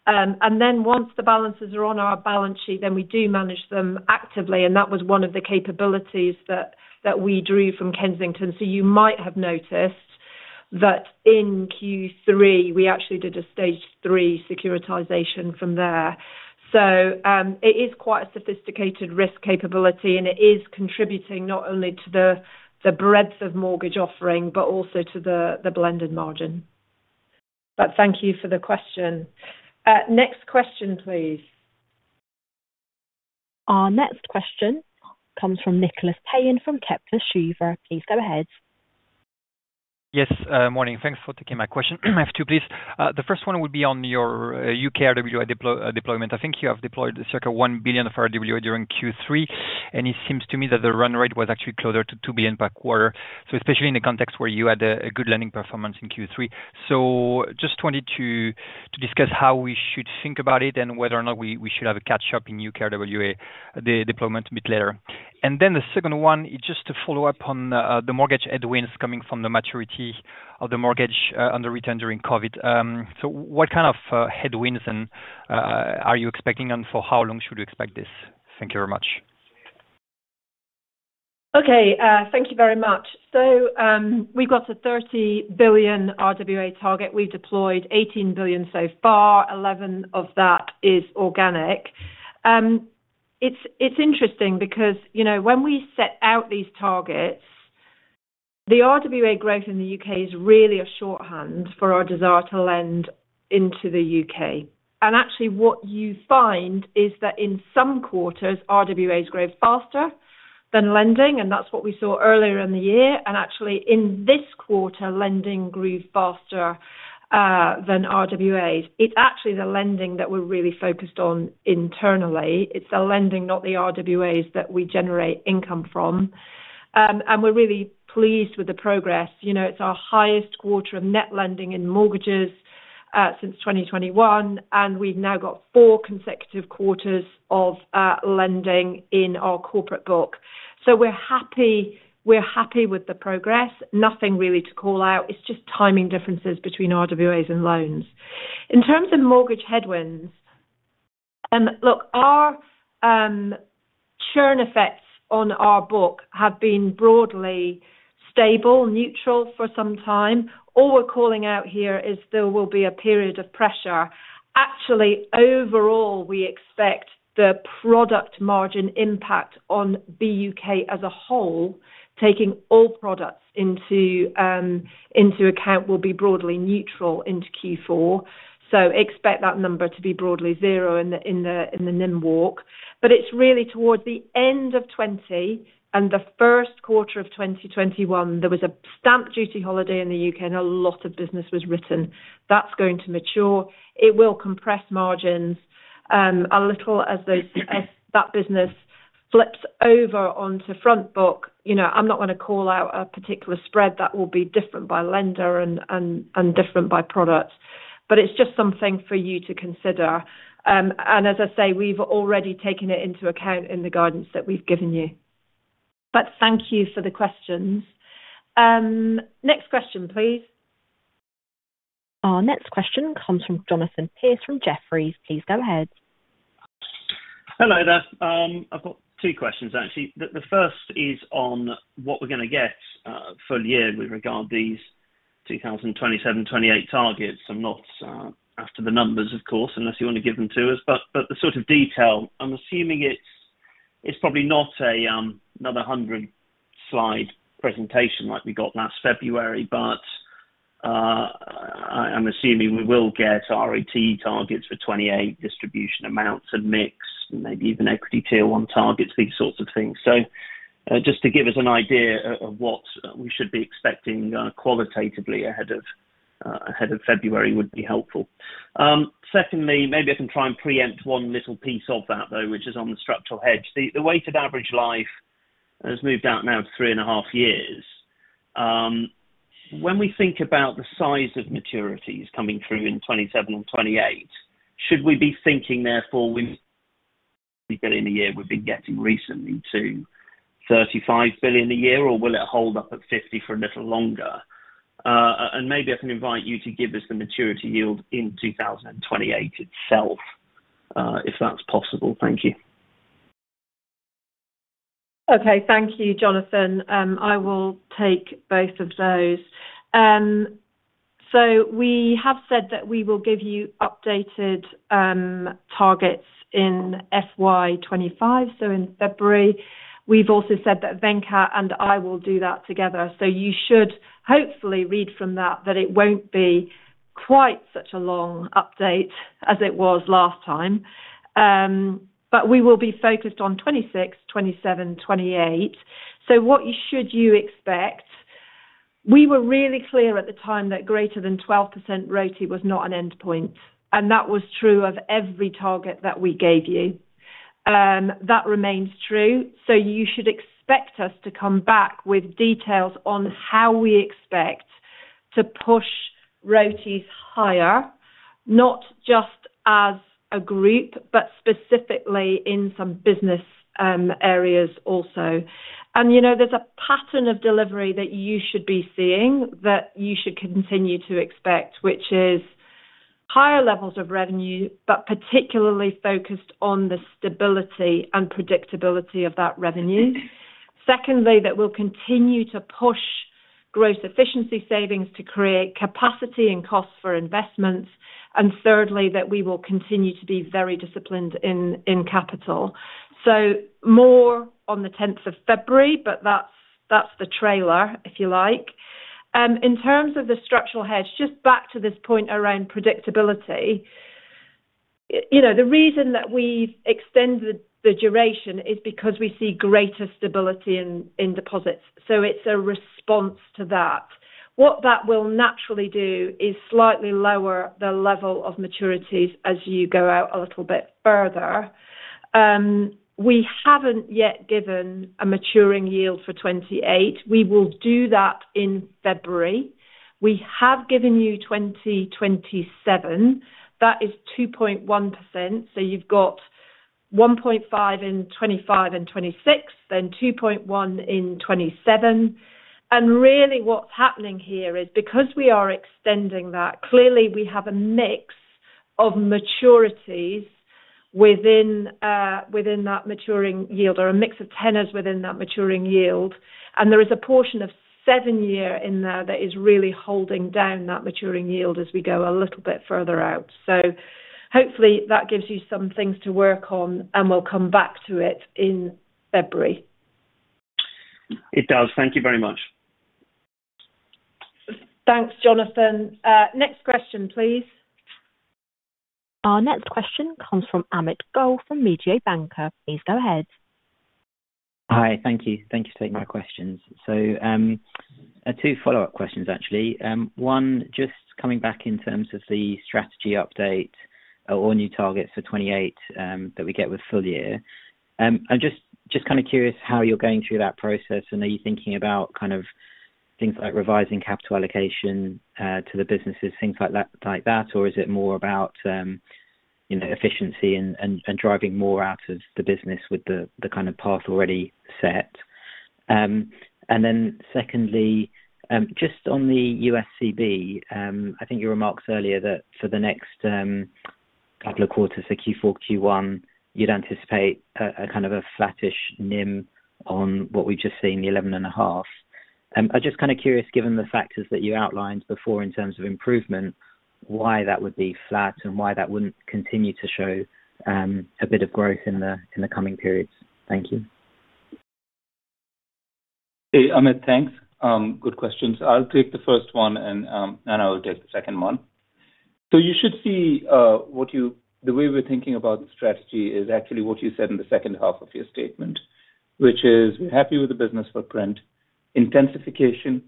Once the balances are on our balance sheet, we do manage them actively. That was one of the capabilities that we drew from Kensington. You might have noticed that in Q3, we actually did a stage three securitization from there. It is quite a sophisticated risk capability, and it is contributing not only to the breadth of mortgage offering, but also to the blended margin. Thank you for the question. Next question, please. Our next question comes from Nicholas Campanella from Keefe. Please go ahead. Yes. Morning. Thanks for taking my question. I have two, please. The first one would be on your U.K. RWA deployment. I think you have deployed circa 1 billion of RWA during Q3, and it seems to me that the run rate was actually closer to 2 billion per quarter, especially in the context where you had a good lending performance in Q3. I just wanted to discuss how we should think about it and whether or not we should have a catch-up in U.K. RWA deployment a bit later. The second one is just to follow up on the mortgage headwinds coming from the maturity of the mortgage underwritten during COVID. What kind of headwinds are you expecting, and for how long should you expect this? Thank you very much. Okay. Thank you very much. We've got a 30 billion RWA target. We've deployed 18 billion so far. 11 billion of that is organic. It's interesting because, you know, when we set out these targets, the RWA growth in the U.K. is really a shorthand for our desire to lend into the U.K. Actually, what you find is that in some quarters, RWAs grow faster than lending, and that's what we saw earlier in the year. In this quarter, lending grew faster than RWAs. It's actually the lending that we're really focused on internally. It's the lending, not the RWAs, that we generate income from. We're really pleased with the progress. It's our highest quarter of net lending in mortgages since 2021, and we've now got four consecutive quarters of lending in our corporate book. We're happy with the progress. Nothing really to call out. It's just timing differences between RWAs and loans. In terms of mortgage headwinds, our churn effects on our book have been broadly stable, neutral for some time. All we're calling out here is there will be a period of pressure. Actually, overall, we expect the product margin impact on BUK as a whole, taking all products into account, will be broadly neutral into Q4. Expect that number to be broadly zero in the NIM walk. It's really towards the end of 2020 and the first quarter of 2021, there was a stamp duty holiday in the U.K. and a lot of business was written. That's going to mature. It will compress margins a little as that business flips over onto front book. I'm not going to call out a particular spread; that will be different by lender and different by product. It's just something for you to consider. As I say, we've already taken it into account in the guidance that we've given you. Thank you for the questions. Next question, please. Our next question comes from Jonathan Young from Jefferies. Please go ahead. Hello there. I've got two questions, actually. The first is on what we're going to get for the year with regard to these 2027-2028 targets. I'm not after the numbers, of course, unless you want to give them to us. The sort of detail, I'm assuming it's probably not another 100-slide presentation like we got last February, but I'm assuming we will get ROTE targets for 2028, distribution amounts and mix, maybe even CET1 ratio targets, these sorts of things. Just to give us an idea of what we should be expecting qualitatively ahead of February would be helpful. Secondly, maybe I can try and preempt one little piece of that, though, which is on the structural hedge. The weighted average life has moved out now to three and a half years. When we think about the size of maturities coming through in 2027 and 2028, should we be thinking, therefore, we get in a year we've been getting recently to 35 billion a year, or will it hold up at 50 billion for a little longer? Maybe I can invite you to give us the maturity yield in 2028 itself, if that's possible. Thank you. Okay. Thank you, Jonathan. I will take both of those. We have said that we will give you updated targets in FY 2025, in February. We've also said that Venkat and I will do that together. You should hopefully read from that that it won't be quite such a long update as it was last time. We will be focused on 2026, 2027, 2028. What should you expect? We were really clear at the time that greater than 12% ROTE was not an endpoint, and that was true of every target that we gave you. That remains true. You should expect us to come back with details on how we expect to push ROTE higher, not just as a group, but specifically in some business areas also. There's a pattern of delivery that you should be seeing that you should continue to expect, which is higher levels of revenue, but particularly focused on the stability and predictability of that revenue. Secondly, we'll continue to push gross efficiency savings to create capacity in costs for investments. Thirdly, we will continue to be very disciplined in capital. More on the 10th of February, but that's the trailer, if you like. In terms of the structural hedge, just back to this point around predictability, the reason that we've extended the duration is because we see greater stability in deposits. It's a response to that. What that will naturally do is slightly lower the level of maturities as you go out a little bit further. We haven't yet given a maturing yield for 2028. We will do that in February. We have given you 2027. That is 2.1%. You've got 1.5% in 2025 and 2026, then 2.1% in 2027. What's happening here is because we are extending that, clearly, we have a mix of maturities within that maturing yield or a mix of tenors within that maturing yield. There is a portion of seven-year in there that is really holding down that maturing yield as we go a little bit further out. Hopefully, that gives you some things to work on, and we'll come back to it in February. It does. Thank you very much. Thanks, Jonathan. Next question, please. Our next question comes from Amit Gul from [MGA Bank]. Please go ahead. Hi. Thank you. Thank you for taking my questions. Two follow-up questions, actually. One, just coming back in terms of the strategy update or new targets for 2028 that we get with full year. I'm just kind of curious how you're going through that process. Are you thinking about things like revising capital allocation to the businesses, things like that, or is it more about efficiency and driving more out of the business with the kind of path already set? Secondly, just on the US Consumer Bank, I think your remarks earlier that for the next couple of quarters, so Q4, Q1, you'd anticipate a kind of a flattish NIM on what we've just seen, the 11.5. I'm just kind of curious, given the factors that you outlined before in terms of improvement, why that would be flat and why that wouldn't continue to show a bit of growth in the coming periods. Thank you. Amit, thanks. Good questions. I'll take the first one, and Anna will take the second one. You should see the way we're thinking about the strategy is actually what you said in the second half of your statement, which is we're happy with the business footprint, intensification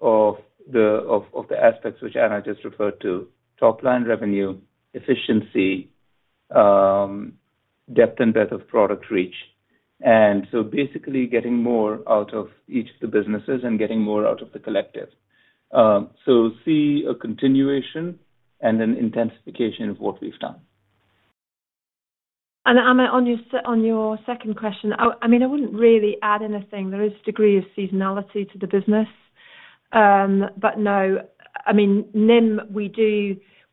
of the aspects which Anna just referred to: top line revenue, efficiency, depth and breadth of product reach. Basically getting more out of each of the businesses and getting more out of the collective. You see a continuation and an intensification of what we've done. On your second question, I wouldn't really add anything. There is a degree of seasonality to the business. NIM, we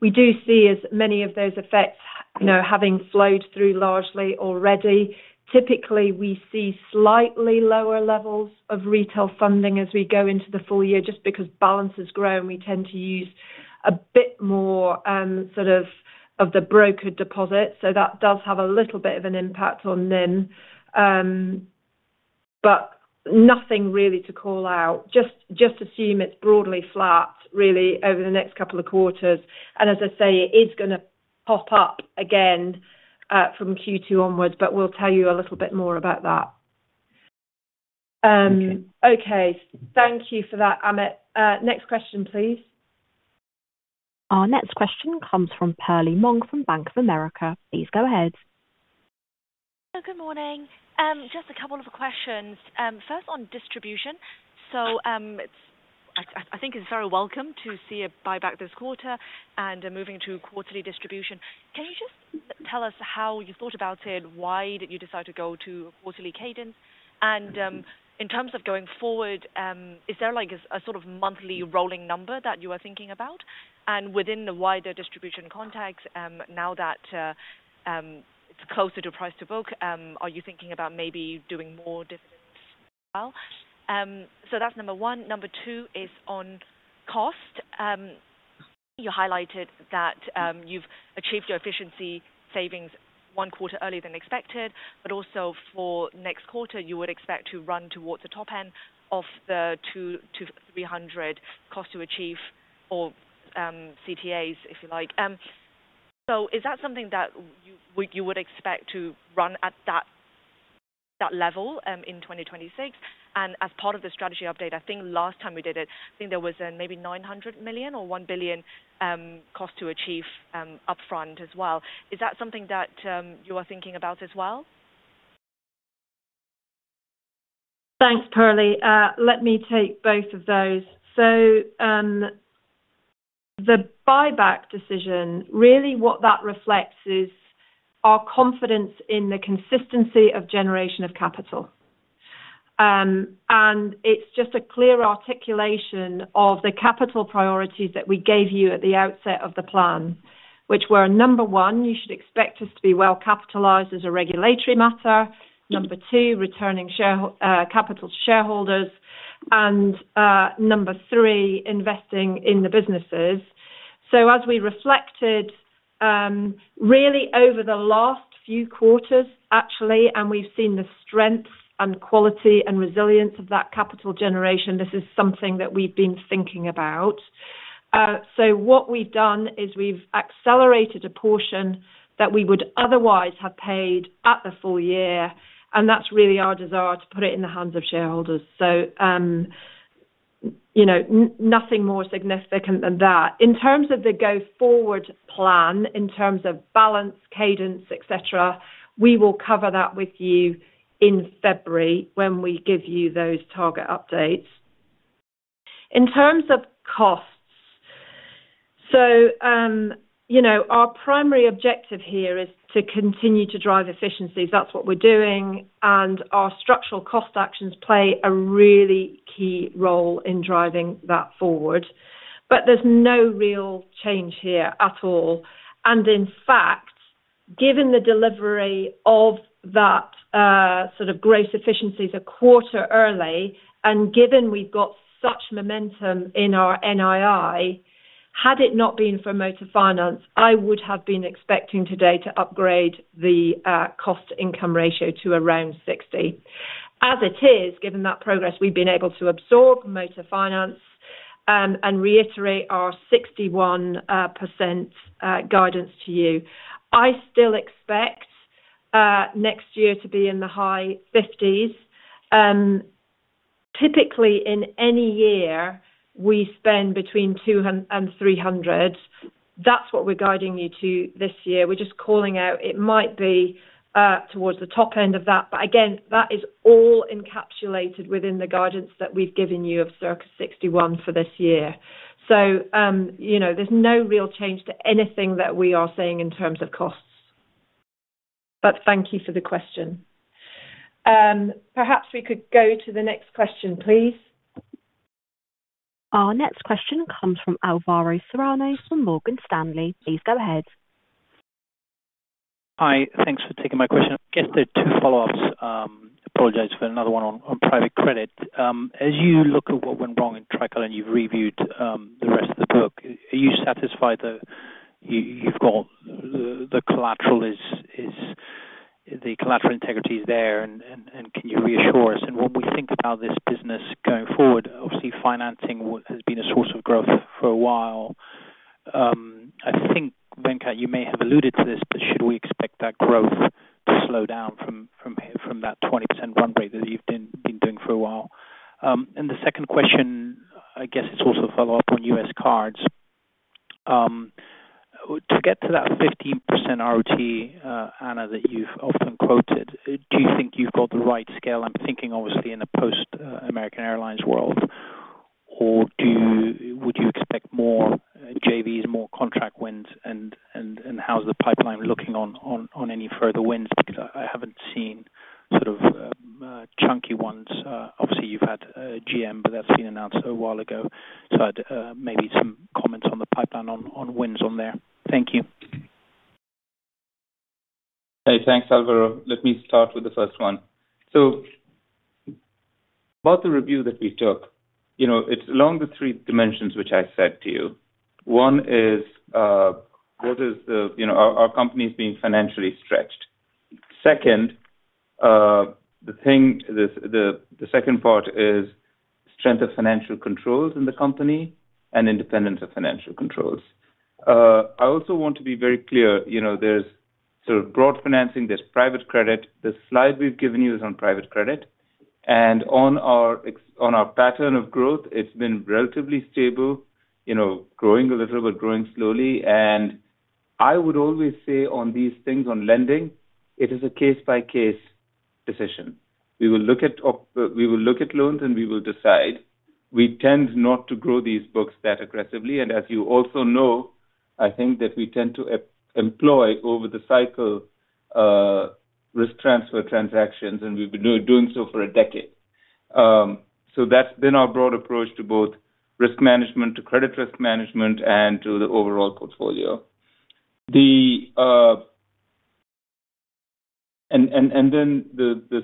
do see as many of those effects having flowed through largely already. Typically, we see slightly lower levels of retail funding as we go into the full year just because balances grow and we tend to use a bit more of the broker deposit. That does have a little bit of an impact on NIM, but nothing really to call out. Just assume it's broadly flat over the next couple of quarters. As I say, it is going to pop up again from Q2 onwards, but we'll tell you a little bit more about that. Thank you for that, Amit. Next question, please. Our next question comes from Perlie Mong from Bank of America. Please go ahead. Good morning. Just a couple of questions. First on distribution. I think it's very welcome to see a buyback this quarter and moving to quarterly distribution. Can you just tell us how you thought about it? Why did you decide to go to a quarterly cadence? In terms of going forward, is there like a sort of monthly rolling number that you are thinking about? Within the wider distribution context, now that it's closer to price to book, are you thinking about maybe doing more dividends as well? That's number one. Number two is on cost. You highlighted that you've achieved your efficiency savings one quarter earlier than expected, but also for next quarter, you would expect to run towards the top end of the 200 million to 300 million cost to achieve, or CTAs, if you like. Is that something that you would expect to run at that level in 2026? As part of the strategy update, I think last time we did it, I think there was maybe 900 million or 1 billion cost to achieve upfront as well. Is that something that you are thinking about as well? Thanks, Perlie. Let me take both of those. The buyback decision, really what that reflects is our confidence in the consistency of generation of capital. It's just a clear articulation of the capital priorities that we gave you at the outset of the plan, which were, number one, you should expect us to be well capitalized as a regulatory matter, number two, returning capital to shareholders, and number three, investing in the businesses. As we reflected, really over the last few quarters, actually, and we've seen the strength and quality and resilience of that capital generation, this is something that we've been thinking about. What we've done is we've accelerated a portion that we would otherwise have paid at the full year, and that's really our desire to put it in the hands of shareholders. Nothing more significant than that. In terms of the go-forward plan, in terms of balance, cadence, etc., we will cover that with you in February when we give you those target updates. In terms of costs, our primary objective here is to continue to drive efficiencies. That's what we're doing, and our structural cost actions play a really key role in driving that forward. There's no real change here at all. In fact, given the delivery of that sort of gross efficiencies a quarter early, and given we've got such momentum in our NII, had it not been for Motar Finance, I would have been expecting today to upgrade the cost-income ratio to around 60%. As it is, given that progress, we've been able to absorb Motar Finance and reiterate our 61% guidance to you. I still expect next year to be in the high 50s. Typically, in any year, we spend between 200 million and 300 million. That's what we're guiding you to this year. We're just calling out it might be towards the top end of that. Again, that is all encapsulated within the guidance that we've given you of circa 61% for this year. There's no real change to anything that we are saying in terms of costs. Thank you for the question. Perhaps we could go to the next question, please. Our next question comes from Alvaro Serrano from Morgan Stanley. Please go ahead. Hi. Thanks for taking my question. I guess there are two follow-ups. I apologize for another one on private credit. As you look at what went wrong in Tricolor and you've reviewed the rest of the book, are you satisfied that you've got the collateral integrity is there? Can you reassure us? When we think about this business going forward, obviously, financing has been a source of growth for a while. I think, Venkat, you may have alluded to this, but should we expect that growth to slow down from that 20% run rate that you've been doing for a while? The second question, I guess it's also a follow-up on U.S. cards. To get to that 15% ROTE, Anna, that you've often quoted, do you think you've got the right scale? I'm thinking, obviously, in a post-American Airlines world, or would you expect more JVs, more contract wins? How's the pipeline looking on any further wins? I haven't seen sort of chunky ones. Obviously, you've had GM, but that's been announced a while ago. Maybe some comments on the pipeline on wins on there. Thank you. Okay. Thanks, Alvaro. Let me start with the first one. About the review that we took, it's along the three dimensions which I said to you. One is, our company is being financially stretched. The second part is strength of financial controls in the company and independence of financial controls. I also want to be very clear. There's sort of broad financing. There's private credit. The slide we've given you is on private credit. On our pattern of growth, it's been relatively stable, growing a little, but growing slowly. I would always say on these things, on lending, it is a case-by-case decision. We will look at loans and we will decide. We tend not to grow these books that aggressively. As you also know, I think that we tend to employ over the cycle risk transfer transactions, and we've been doing so for a decade. That's been our broad approach to both risk management, to credit risk management, and to the overall portfolio. The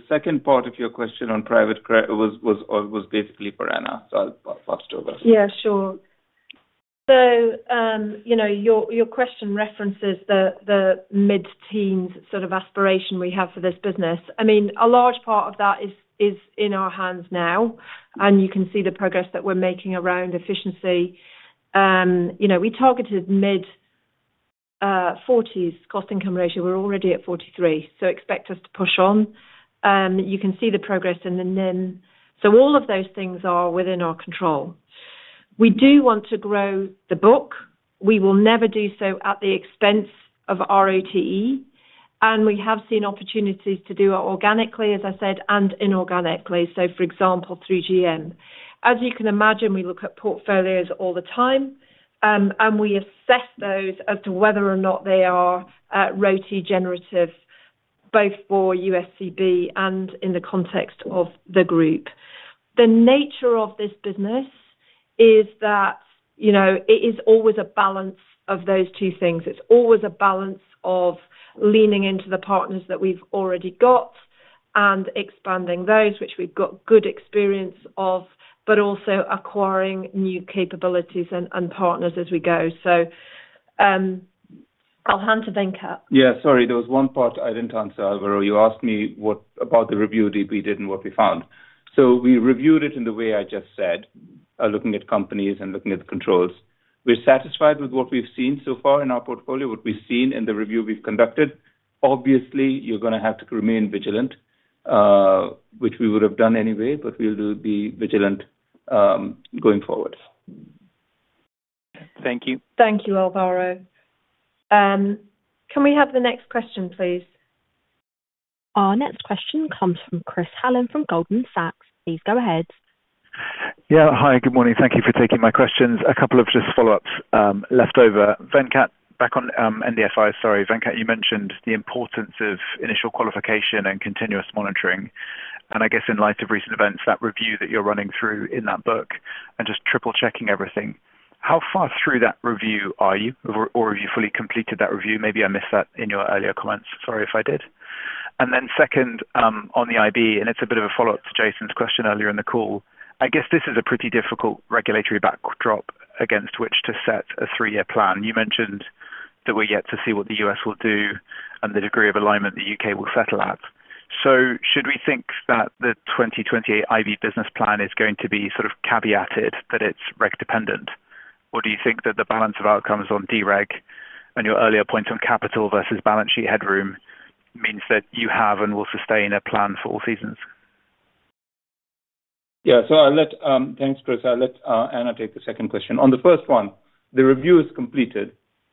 second part of your question on private credit was basically for Anna. I'll pass it over. Yeah, sure. Your question references the mid-teens sort of aspiration we have for this business. A large part of that is in our hands now, and you can see the progress that we're making around efficiency. We targeted a mid-40s cost-income ratio. We're already at 43%, so expect us to push on. You can see the progress in the NIM. All of those things are within our control. We do want to grow the book. We will never do so at the expense of ROTE, and we have seen opportunities to do it organically, as I said, and inorganically, for example, through GM. As you can imagine, we look at portfolios all the time, and we assess those as to whether or not they are royalty generative, both for US Consumer Bank and in the context of the group. The nature of this business is that you It is always a balance of those two things. It's always a balance of leaning into the partners that we've already got and expanding those, which we've got good experience of, but also acquiring new capabilities and partners as we go. I'll hand to Venkat. Sorry, there was one part I didn't answer, Alvaro. You asked me about the review that we did and what we found. We reviewed it in the way I just said, looking at companies and looking at the controls. We're satisfied with what we've seen so far in our portfolio, what we've seen in the review we've conducted. Obviously, you're going to have to remain vigilant, which we would have done anyway, but we'll be vigilant going forward. Thank you. Thank you, Alvaro. Can we have the next question, please? Our next question comes from Chris Hallam from Goldman Sachs. Please go ahead. Yeah, hi, good morning. Thank you for taking my questions. A couple of just follow-ups left over. Venkat, back on NDFI, sorry. Venkat, you mentioned the importance of initial qualification and continuous monitoring. I guess in light of recent events, that review that you're running through in that book and just triple-checking everything. How far through that review are you? Or have you fully completed that review? Maybe I missed that in your earlier comments. Sorry if I did. Then second, on the IB, and it's a bit of a follow-up to Jason's question earlier in the call. I guess this is a pretty difficult regulatory backdrop against which to set a three-year plan. You mentioned that we're yet to see what the U.S. will do and the degree of alignment the U.K. will settle at. Should we think that the 2028 IB business plan is going to be sort of caveated that it's reg-dependent? Do you think that the balance of outcomes on dereg and your earlier points on capital versus balance sheet headroom means that you have and will sustain a plan for all seasons? Yeah, thanks, Chris. I'll let Anna take the second question. On the first one, the review is completed.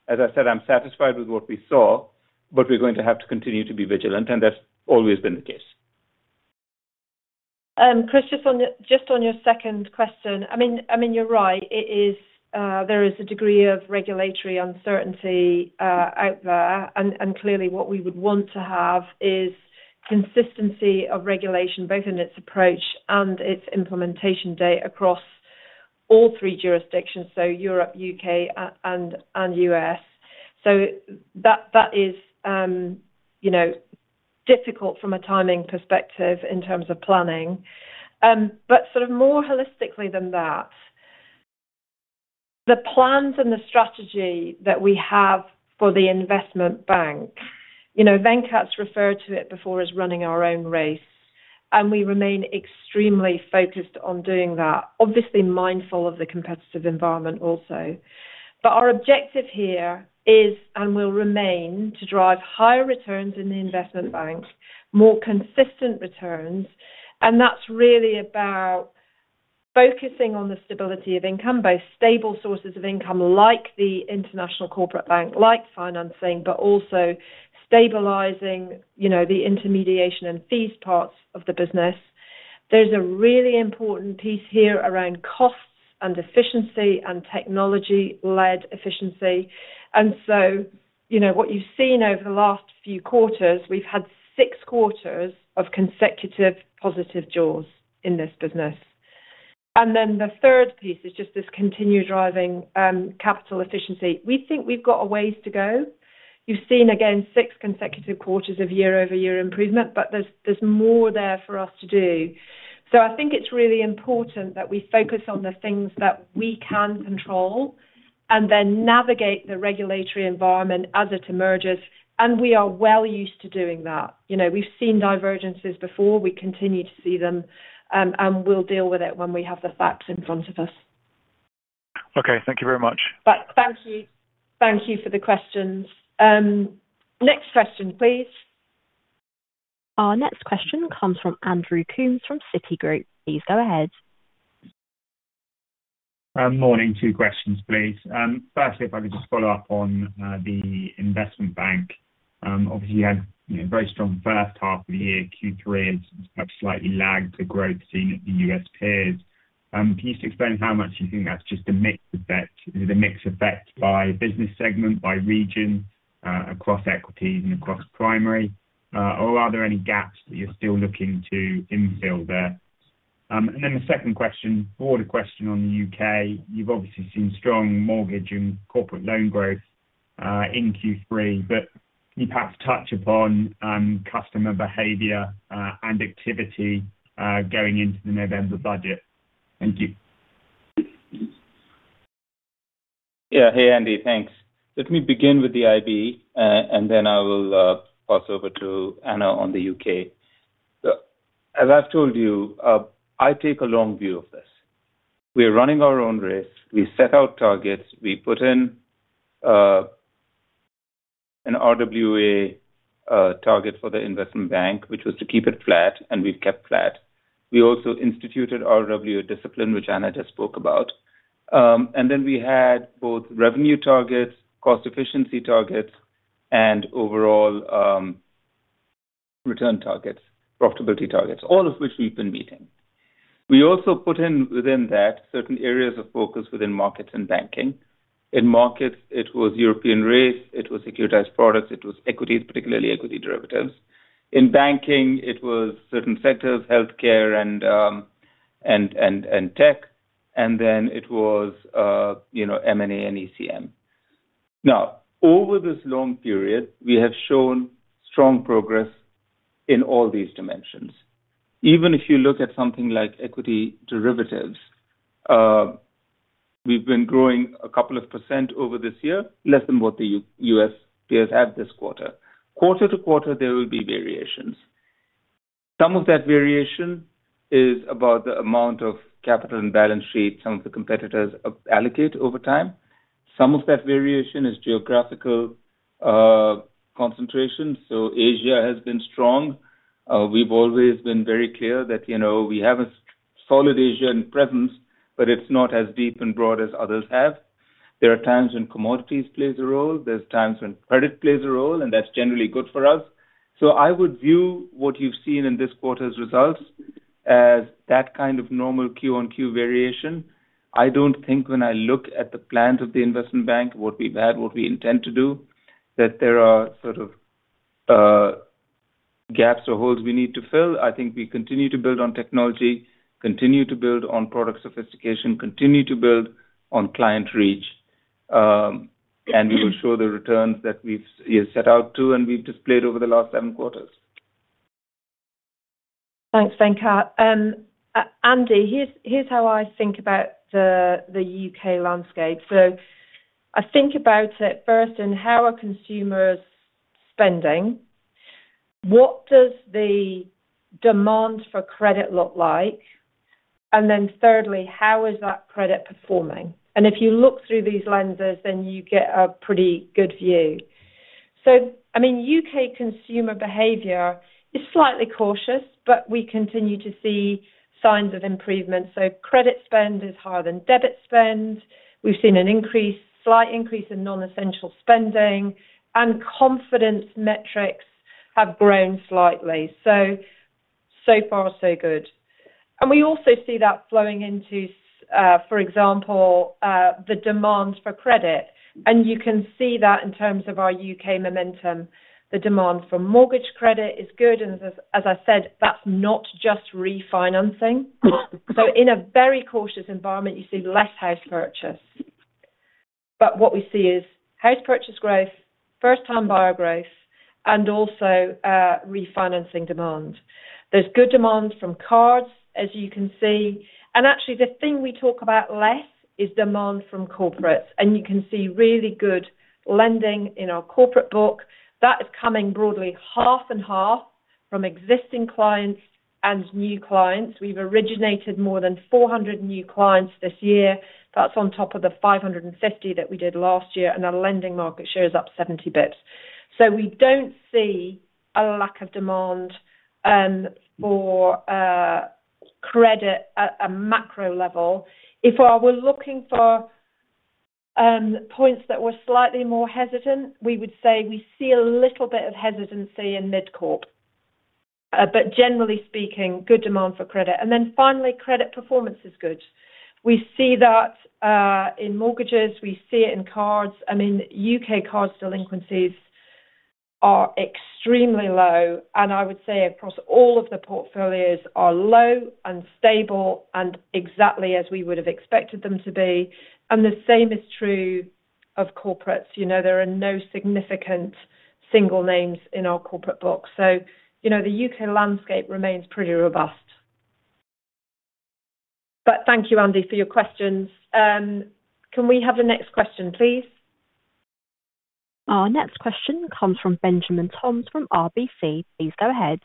As I said, I'm satisfied with what we saw, but we're going to have to continue to be vigilant, and that's always been the case. Chris, just on your second question, you're right. There is a degree of regulatory uncertainty out there, and clearly, what we would want to have is consistency of regulation, both in its approach and its implementation date across all three jurisdictions: Europe, U.K., and U.S. That is difficult from a timing perspective in terms of planning. More holistically than that, the plans and the strategy that we have for the Investment Bank, Venkat's referred to it before as running our own race, and we remain extremely focused on doing that, obviously mindful of the competitive environment also. Our objective here is and will remain to drive higher returns in the Investment Bank, more consistent returns, and that's really about focusing on the stability of income, both stable sources of income like the International Corporate Bank, like financing, but also stabilizing the intermediation and fees parts of the business. There's a really important piece here around costs and efficiency and technology-led efficiency. What you've seen over the last few quarters, we've had six quarters of consecutive positive jaws in this business. The third piece is just this continued driving of capital efficiency. We think we've got a ways to go. You've seen, again, six consecutive quarters of year-over-year improvement, but there's more there for us to do. I think it's really important that we focus on the things that we can control and then navigate the regulatory environment as it emerges, and we are well used to doing that. We've seen divergences before. We continue to see them, and we'll deal with it when we have the facts in front of us. Okay, thank you very much. Thank you for the questions. Next question, please. Our next question comes from Andrew Coombs from Citigroup. Please go ahead. Morning. Two questions, please. Firstly, if I could just follow up on the Investment Bank. Obviously, you had a very strong first half of the year, Q3, and some slight lag to growth seen at the U.S. peers. Can you explain how much you think that's just a mix effect? Is it a mix effect by business segment, by region, across equities, and across primary? Or are there any gaps that you're still looking to infill there? The second question, broader question on the U.K. You've obviously seen strong mortgage and corporate loan growth in Q3, but can you perhaps touch upon customer behavior and activity going into the November budget? Thank you. Yeah, hey, Andy, thanks. Let me begin with the Investment Bank, and then I will pass over to Anna on the U.K. As I've told you, I take a long view of this. We're running our own race. We set out targets. We put in an RWA target for the Investment Bank, which was to keep it flat, and we've kept it flat. We also instituted RWA discipline, which Anna just spoke about. We had both revenue targets, cost efficiency targets, and overall return targets, profitability targets, all of which we've been meeting. We also put in within that certain areas of focus within markets and banking. In markets, it was European rates, it was securitized products, it was equities, particularly equity derivatives. In banking, it was certain sectors, healthcare, and tech. It was M&A and ECM. Over this long period, we have shown strong progress in all these dimensions. Even if you look at something like equity derivatives, we've been growing a couple of % over this year, less than what the U.S. peers had this quarter. Quarter to quarter, there will be variations. Some of that variation is about the amount of capital and balance sheet some of the competitors allocate over time. Some of that variation is geographical concentration. Asia has been strong. We've always been very clear that we have a solid Asian presence, but it's not as deep and broad as others have. There are times when commodities play a role. There are times when credit plays a role, and that's generally good for us. I would view what you've seen in this quarter's results as that kind of normal quarter-on-quarter variation. I don't think when I look at the plans of the Investment Bank, what we've had, what we intend to do, that there are gaps or holes we need to fill. I think we continue to build on technology, continue to build on product sophistication, continue to build on client reach, and we will show the returns that we've set out to and we've displayed over the last seven quarters. Thanks, Venkat. Andy, here's how I think about the U.K. landscape. I think about it first in how are consumers spending, what does the demand for credit look like, and then thirdly, how is that credit performing? If you look through these lenses, then you get a pretty good view. U.K. consumer behavior is slightly cautious, but we continue to see signs of improvement. Credit spend is higher than debit spend. We've seen a slight increase in non-essential spending, and confidence metrics have grown slightly. So far, so good. We also see that flowing into, for example, the demand for credit. You can see that in terms of our U.K. momentum. The demand for mortgage credit is good. As I said, that's not just refinancing. In a very cautious environment, you see less house purchase. What we see is house purchase growth, first-time buyer growth, and also refinancing demand. There's good demand from cards, as you can see. The thing we talk about less is demand from corporates. You can see really good lending in our corporate book. That is coming broadly half and half from existing clients and new clients. We've originated more than 400 new clients this year. That's on top of the 550 that we did last year, and our lending market share is up 70 basis points. We don't see a lack of demand for credit at a macro level. If we're looking for points that we're slightly more hesitant, we would say we see a little bit of hesitancy in mid-corp, but generally speaking, good demand for credit. Finally, credit performance is good. We see that in mortgages. We see it in cards. UK cards delinquencies are extremely low. I would say across all of the portfolios are low and stable and exactly as we would have expected them to be. The same is true of corporates. There are no significant single names in our corporate book. The U.K. landscape remains pretty robust. Thank you, Andy, for your questions. Can we have the next question, please? Our next question comes from Benjamin Budish from RBC. Please go ahead.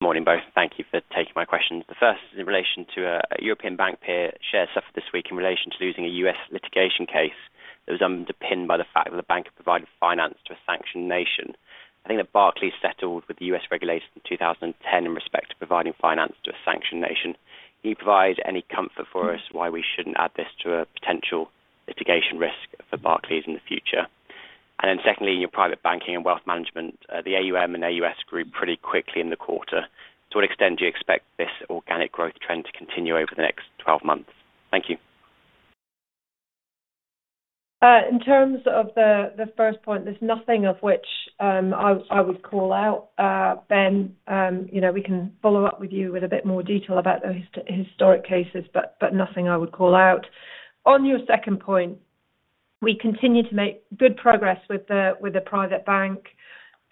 Morning both. Thank you for taking my questions. The first is in relation to a European bank peer shared stuff this week in relation to losing a U.S. litigation case that was underpinned by the fact that the bank provided finance to a sanctioned nation. I think that Barclays settled with the U.S. regulations in 2010 in respect to providing finance to a sanctioned nation. Can you provide any comfort for us why we shouldn't add this to a potential litigation risk for Barclays in the future? Secondly, in your Private Bank & Wealth Management, the AUM and AUS grew pretty quickly in the quarter. To what extent do you expect this organic growth trend to continue over the next 12 months? Thank you. In terms of the first point, there's nothing I would call out. Ben, we can follow up with you with a bit more detail about those historic cases, but nothing I would call out. On your second point, we continue to make good progress with the Private Bank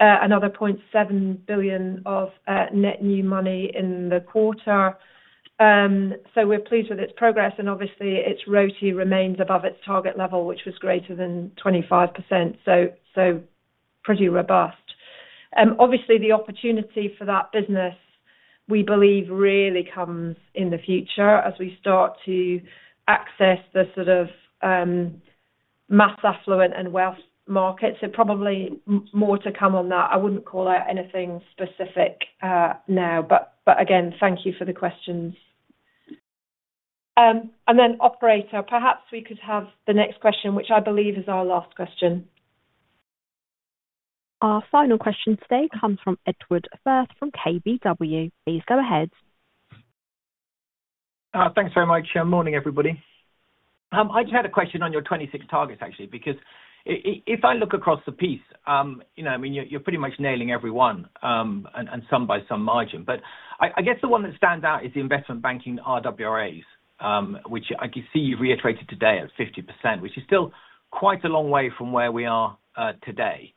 and other points, 7 billion of net new money in the quarter. We're pleased with its progress. Obviously, its ROTE remains above its target level, which was greater than 25%, so pretty robust. Obviously, the opportunity for that business, we believe, really comes in the future as we start to access the sort of mass affluent and wealth markets. Probably more to come on that. I wouldn't call out anything specific now, but again, thank you for the questions. Operator, perhaps we could have the next question, which I believe is our last question. Our final question today comes from Edward Firth from KBW. Please go ahead. Thanks very much. Morning everybody. I just had a question on your 2026 targets, actually, because if I look across the piece, you're pretty much nailing every one, and some by some margin. I guess the one that stands out is the Investment Banking RWAs, which I can see you've reiterated today at 50%, which is still quite a long way from where we are today.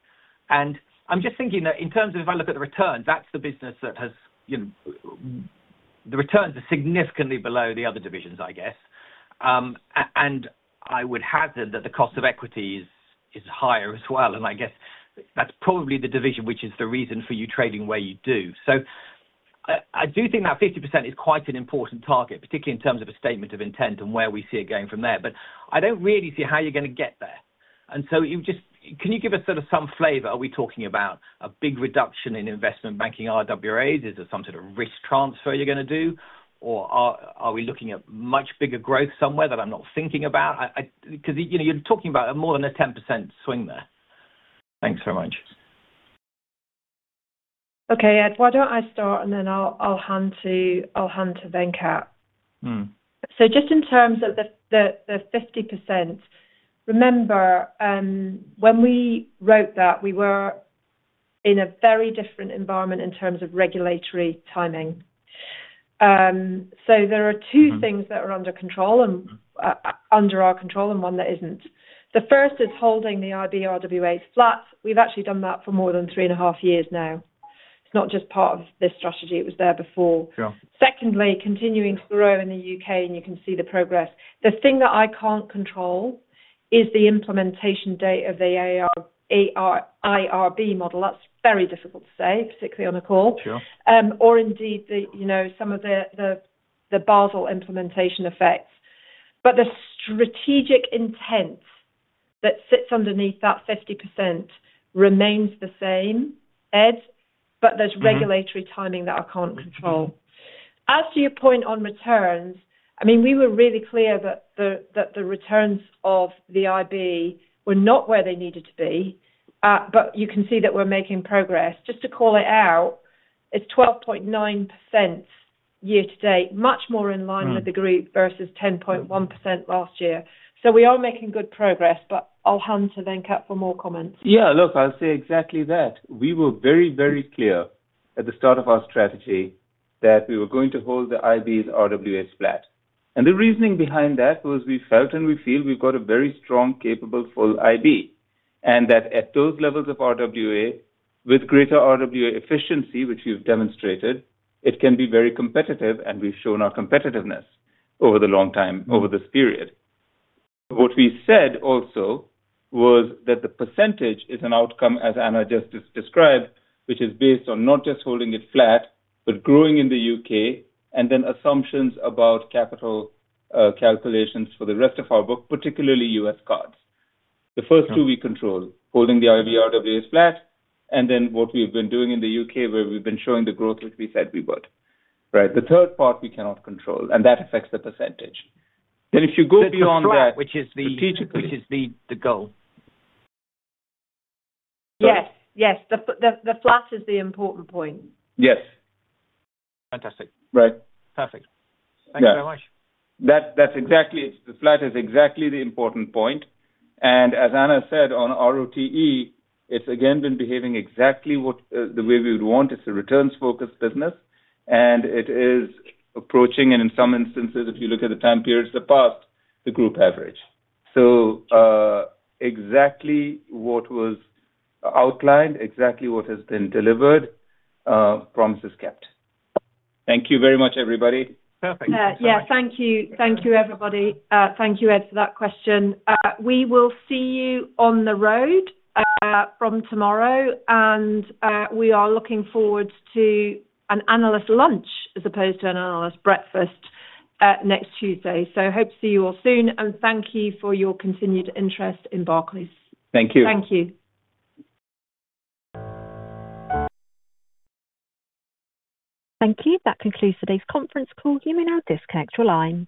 I'm just thinking that in terms of if I look at the returns, that's the business that has the returns significantly below the other divisions, I guess. I would hazard that the cost of equity is higher as well. I guess that's probably the division which is the reason for you trading where you do. I do think that 50% is quite an important target, particularly in terms of a statement of intent and where we see it going from there. I don't really see how you're going to get there. Can you give us some flavor? Are we talking about a big reduction in Investment Banking RWAs? Is there some sort of risk transfer you're going to do? Are we looking at much bigger growth somewhere that I'm not thinking about? You're talking about more than a 10% swing there. Thanks very much. Okay, Edward, I'll start and then I'll hand to Venkat. In terms of the 50%, remember, when we wrote that, we were in a very different environment in terms of regulatory timing. There are two things that are under control and under our control and one that isn't. The first is holding the Investment Bank RWAs flat. We've actually done that for more than three and a half years now. It's not just part of this strategy. It was there before. Yeah. Secondly, continuing to grow in the U.K., and you can see the progress. The thing that I can't control is the implementation date of the AIRB model. That's very difficult to say, particularly on a call. Sure. Or indeed, you know, some of the Basel implementation effects. The strategic intent that sits underneath that 50% remains the same, Ed, but there's regulatory timing that I can't control. As to your point on returns, we were really clear that the returns of the Investment Bank were not where they needed to be, but you can see that we're making progress. Just to call it out, it's 12.9% year to date, much more in line with the group versus 10.1% last year. We are making good progress, but I'll hand to Venkat for more comments. Yeah, look, I'll say exactly that. We were very, very clear at the start of our strategy that we were going to hold the IB RWAs flat. The reasoning behind that was we felt and we feel we've got a very strong, capable, full IB, and that at those levels of RWA, with greater RWA efficiency, which we've demonstrated, it can be very competitive, and we've shown our competitiveness over a long time over this period. What we said also was that the percentage is an outcome, as Anna just described, which is based on not just holding it flat, but growing in the U.K., and then assumptions about capital, calculations for the rest of our book, particularly US cards. The first two we control: holding the IB RWAs flat, and then what we've been doing in the U.K. where we've been showing the growth, which we said we would. The third part we cannot control, and that affects the percentage. If you go beyond that, strategically. Which is the goal. Yes, yes. The flat is the important point. Yes. Fantastic. Right. Perfect. Thanks very much. That's exactly the important point. As Anna said on ROTE, it's again been behaving exactly the way we would want. It's a returns-focused business, and it is approaching, and in some instances, if you look at the time periods of the past, the group average. Exactly what was outlined, exactly what has been delivered, promises kept. Thank you very much, everybody. Perfect. Thank you. Thank you, everybody. Thank you, Ed, for that question. We will see you on the road from tomorrow, and we are looking forward to an analyst lunch as opposed to an analyst breakfast next Tuesday. I hope to see you all soon, and thank you for your continued interest in Barclays. Thank you. Thank you. Thank you. That concludes today's conference call. You may now disconnect your line.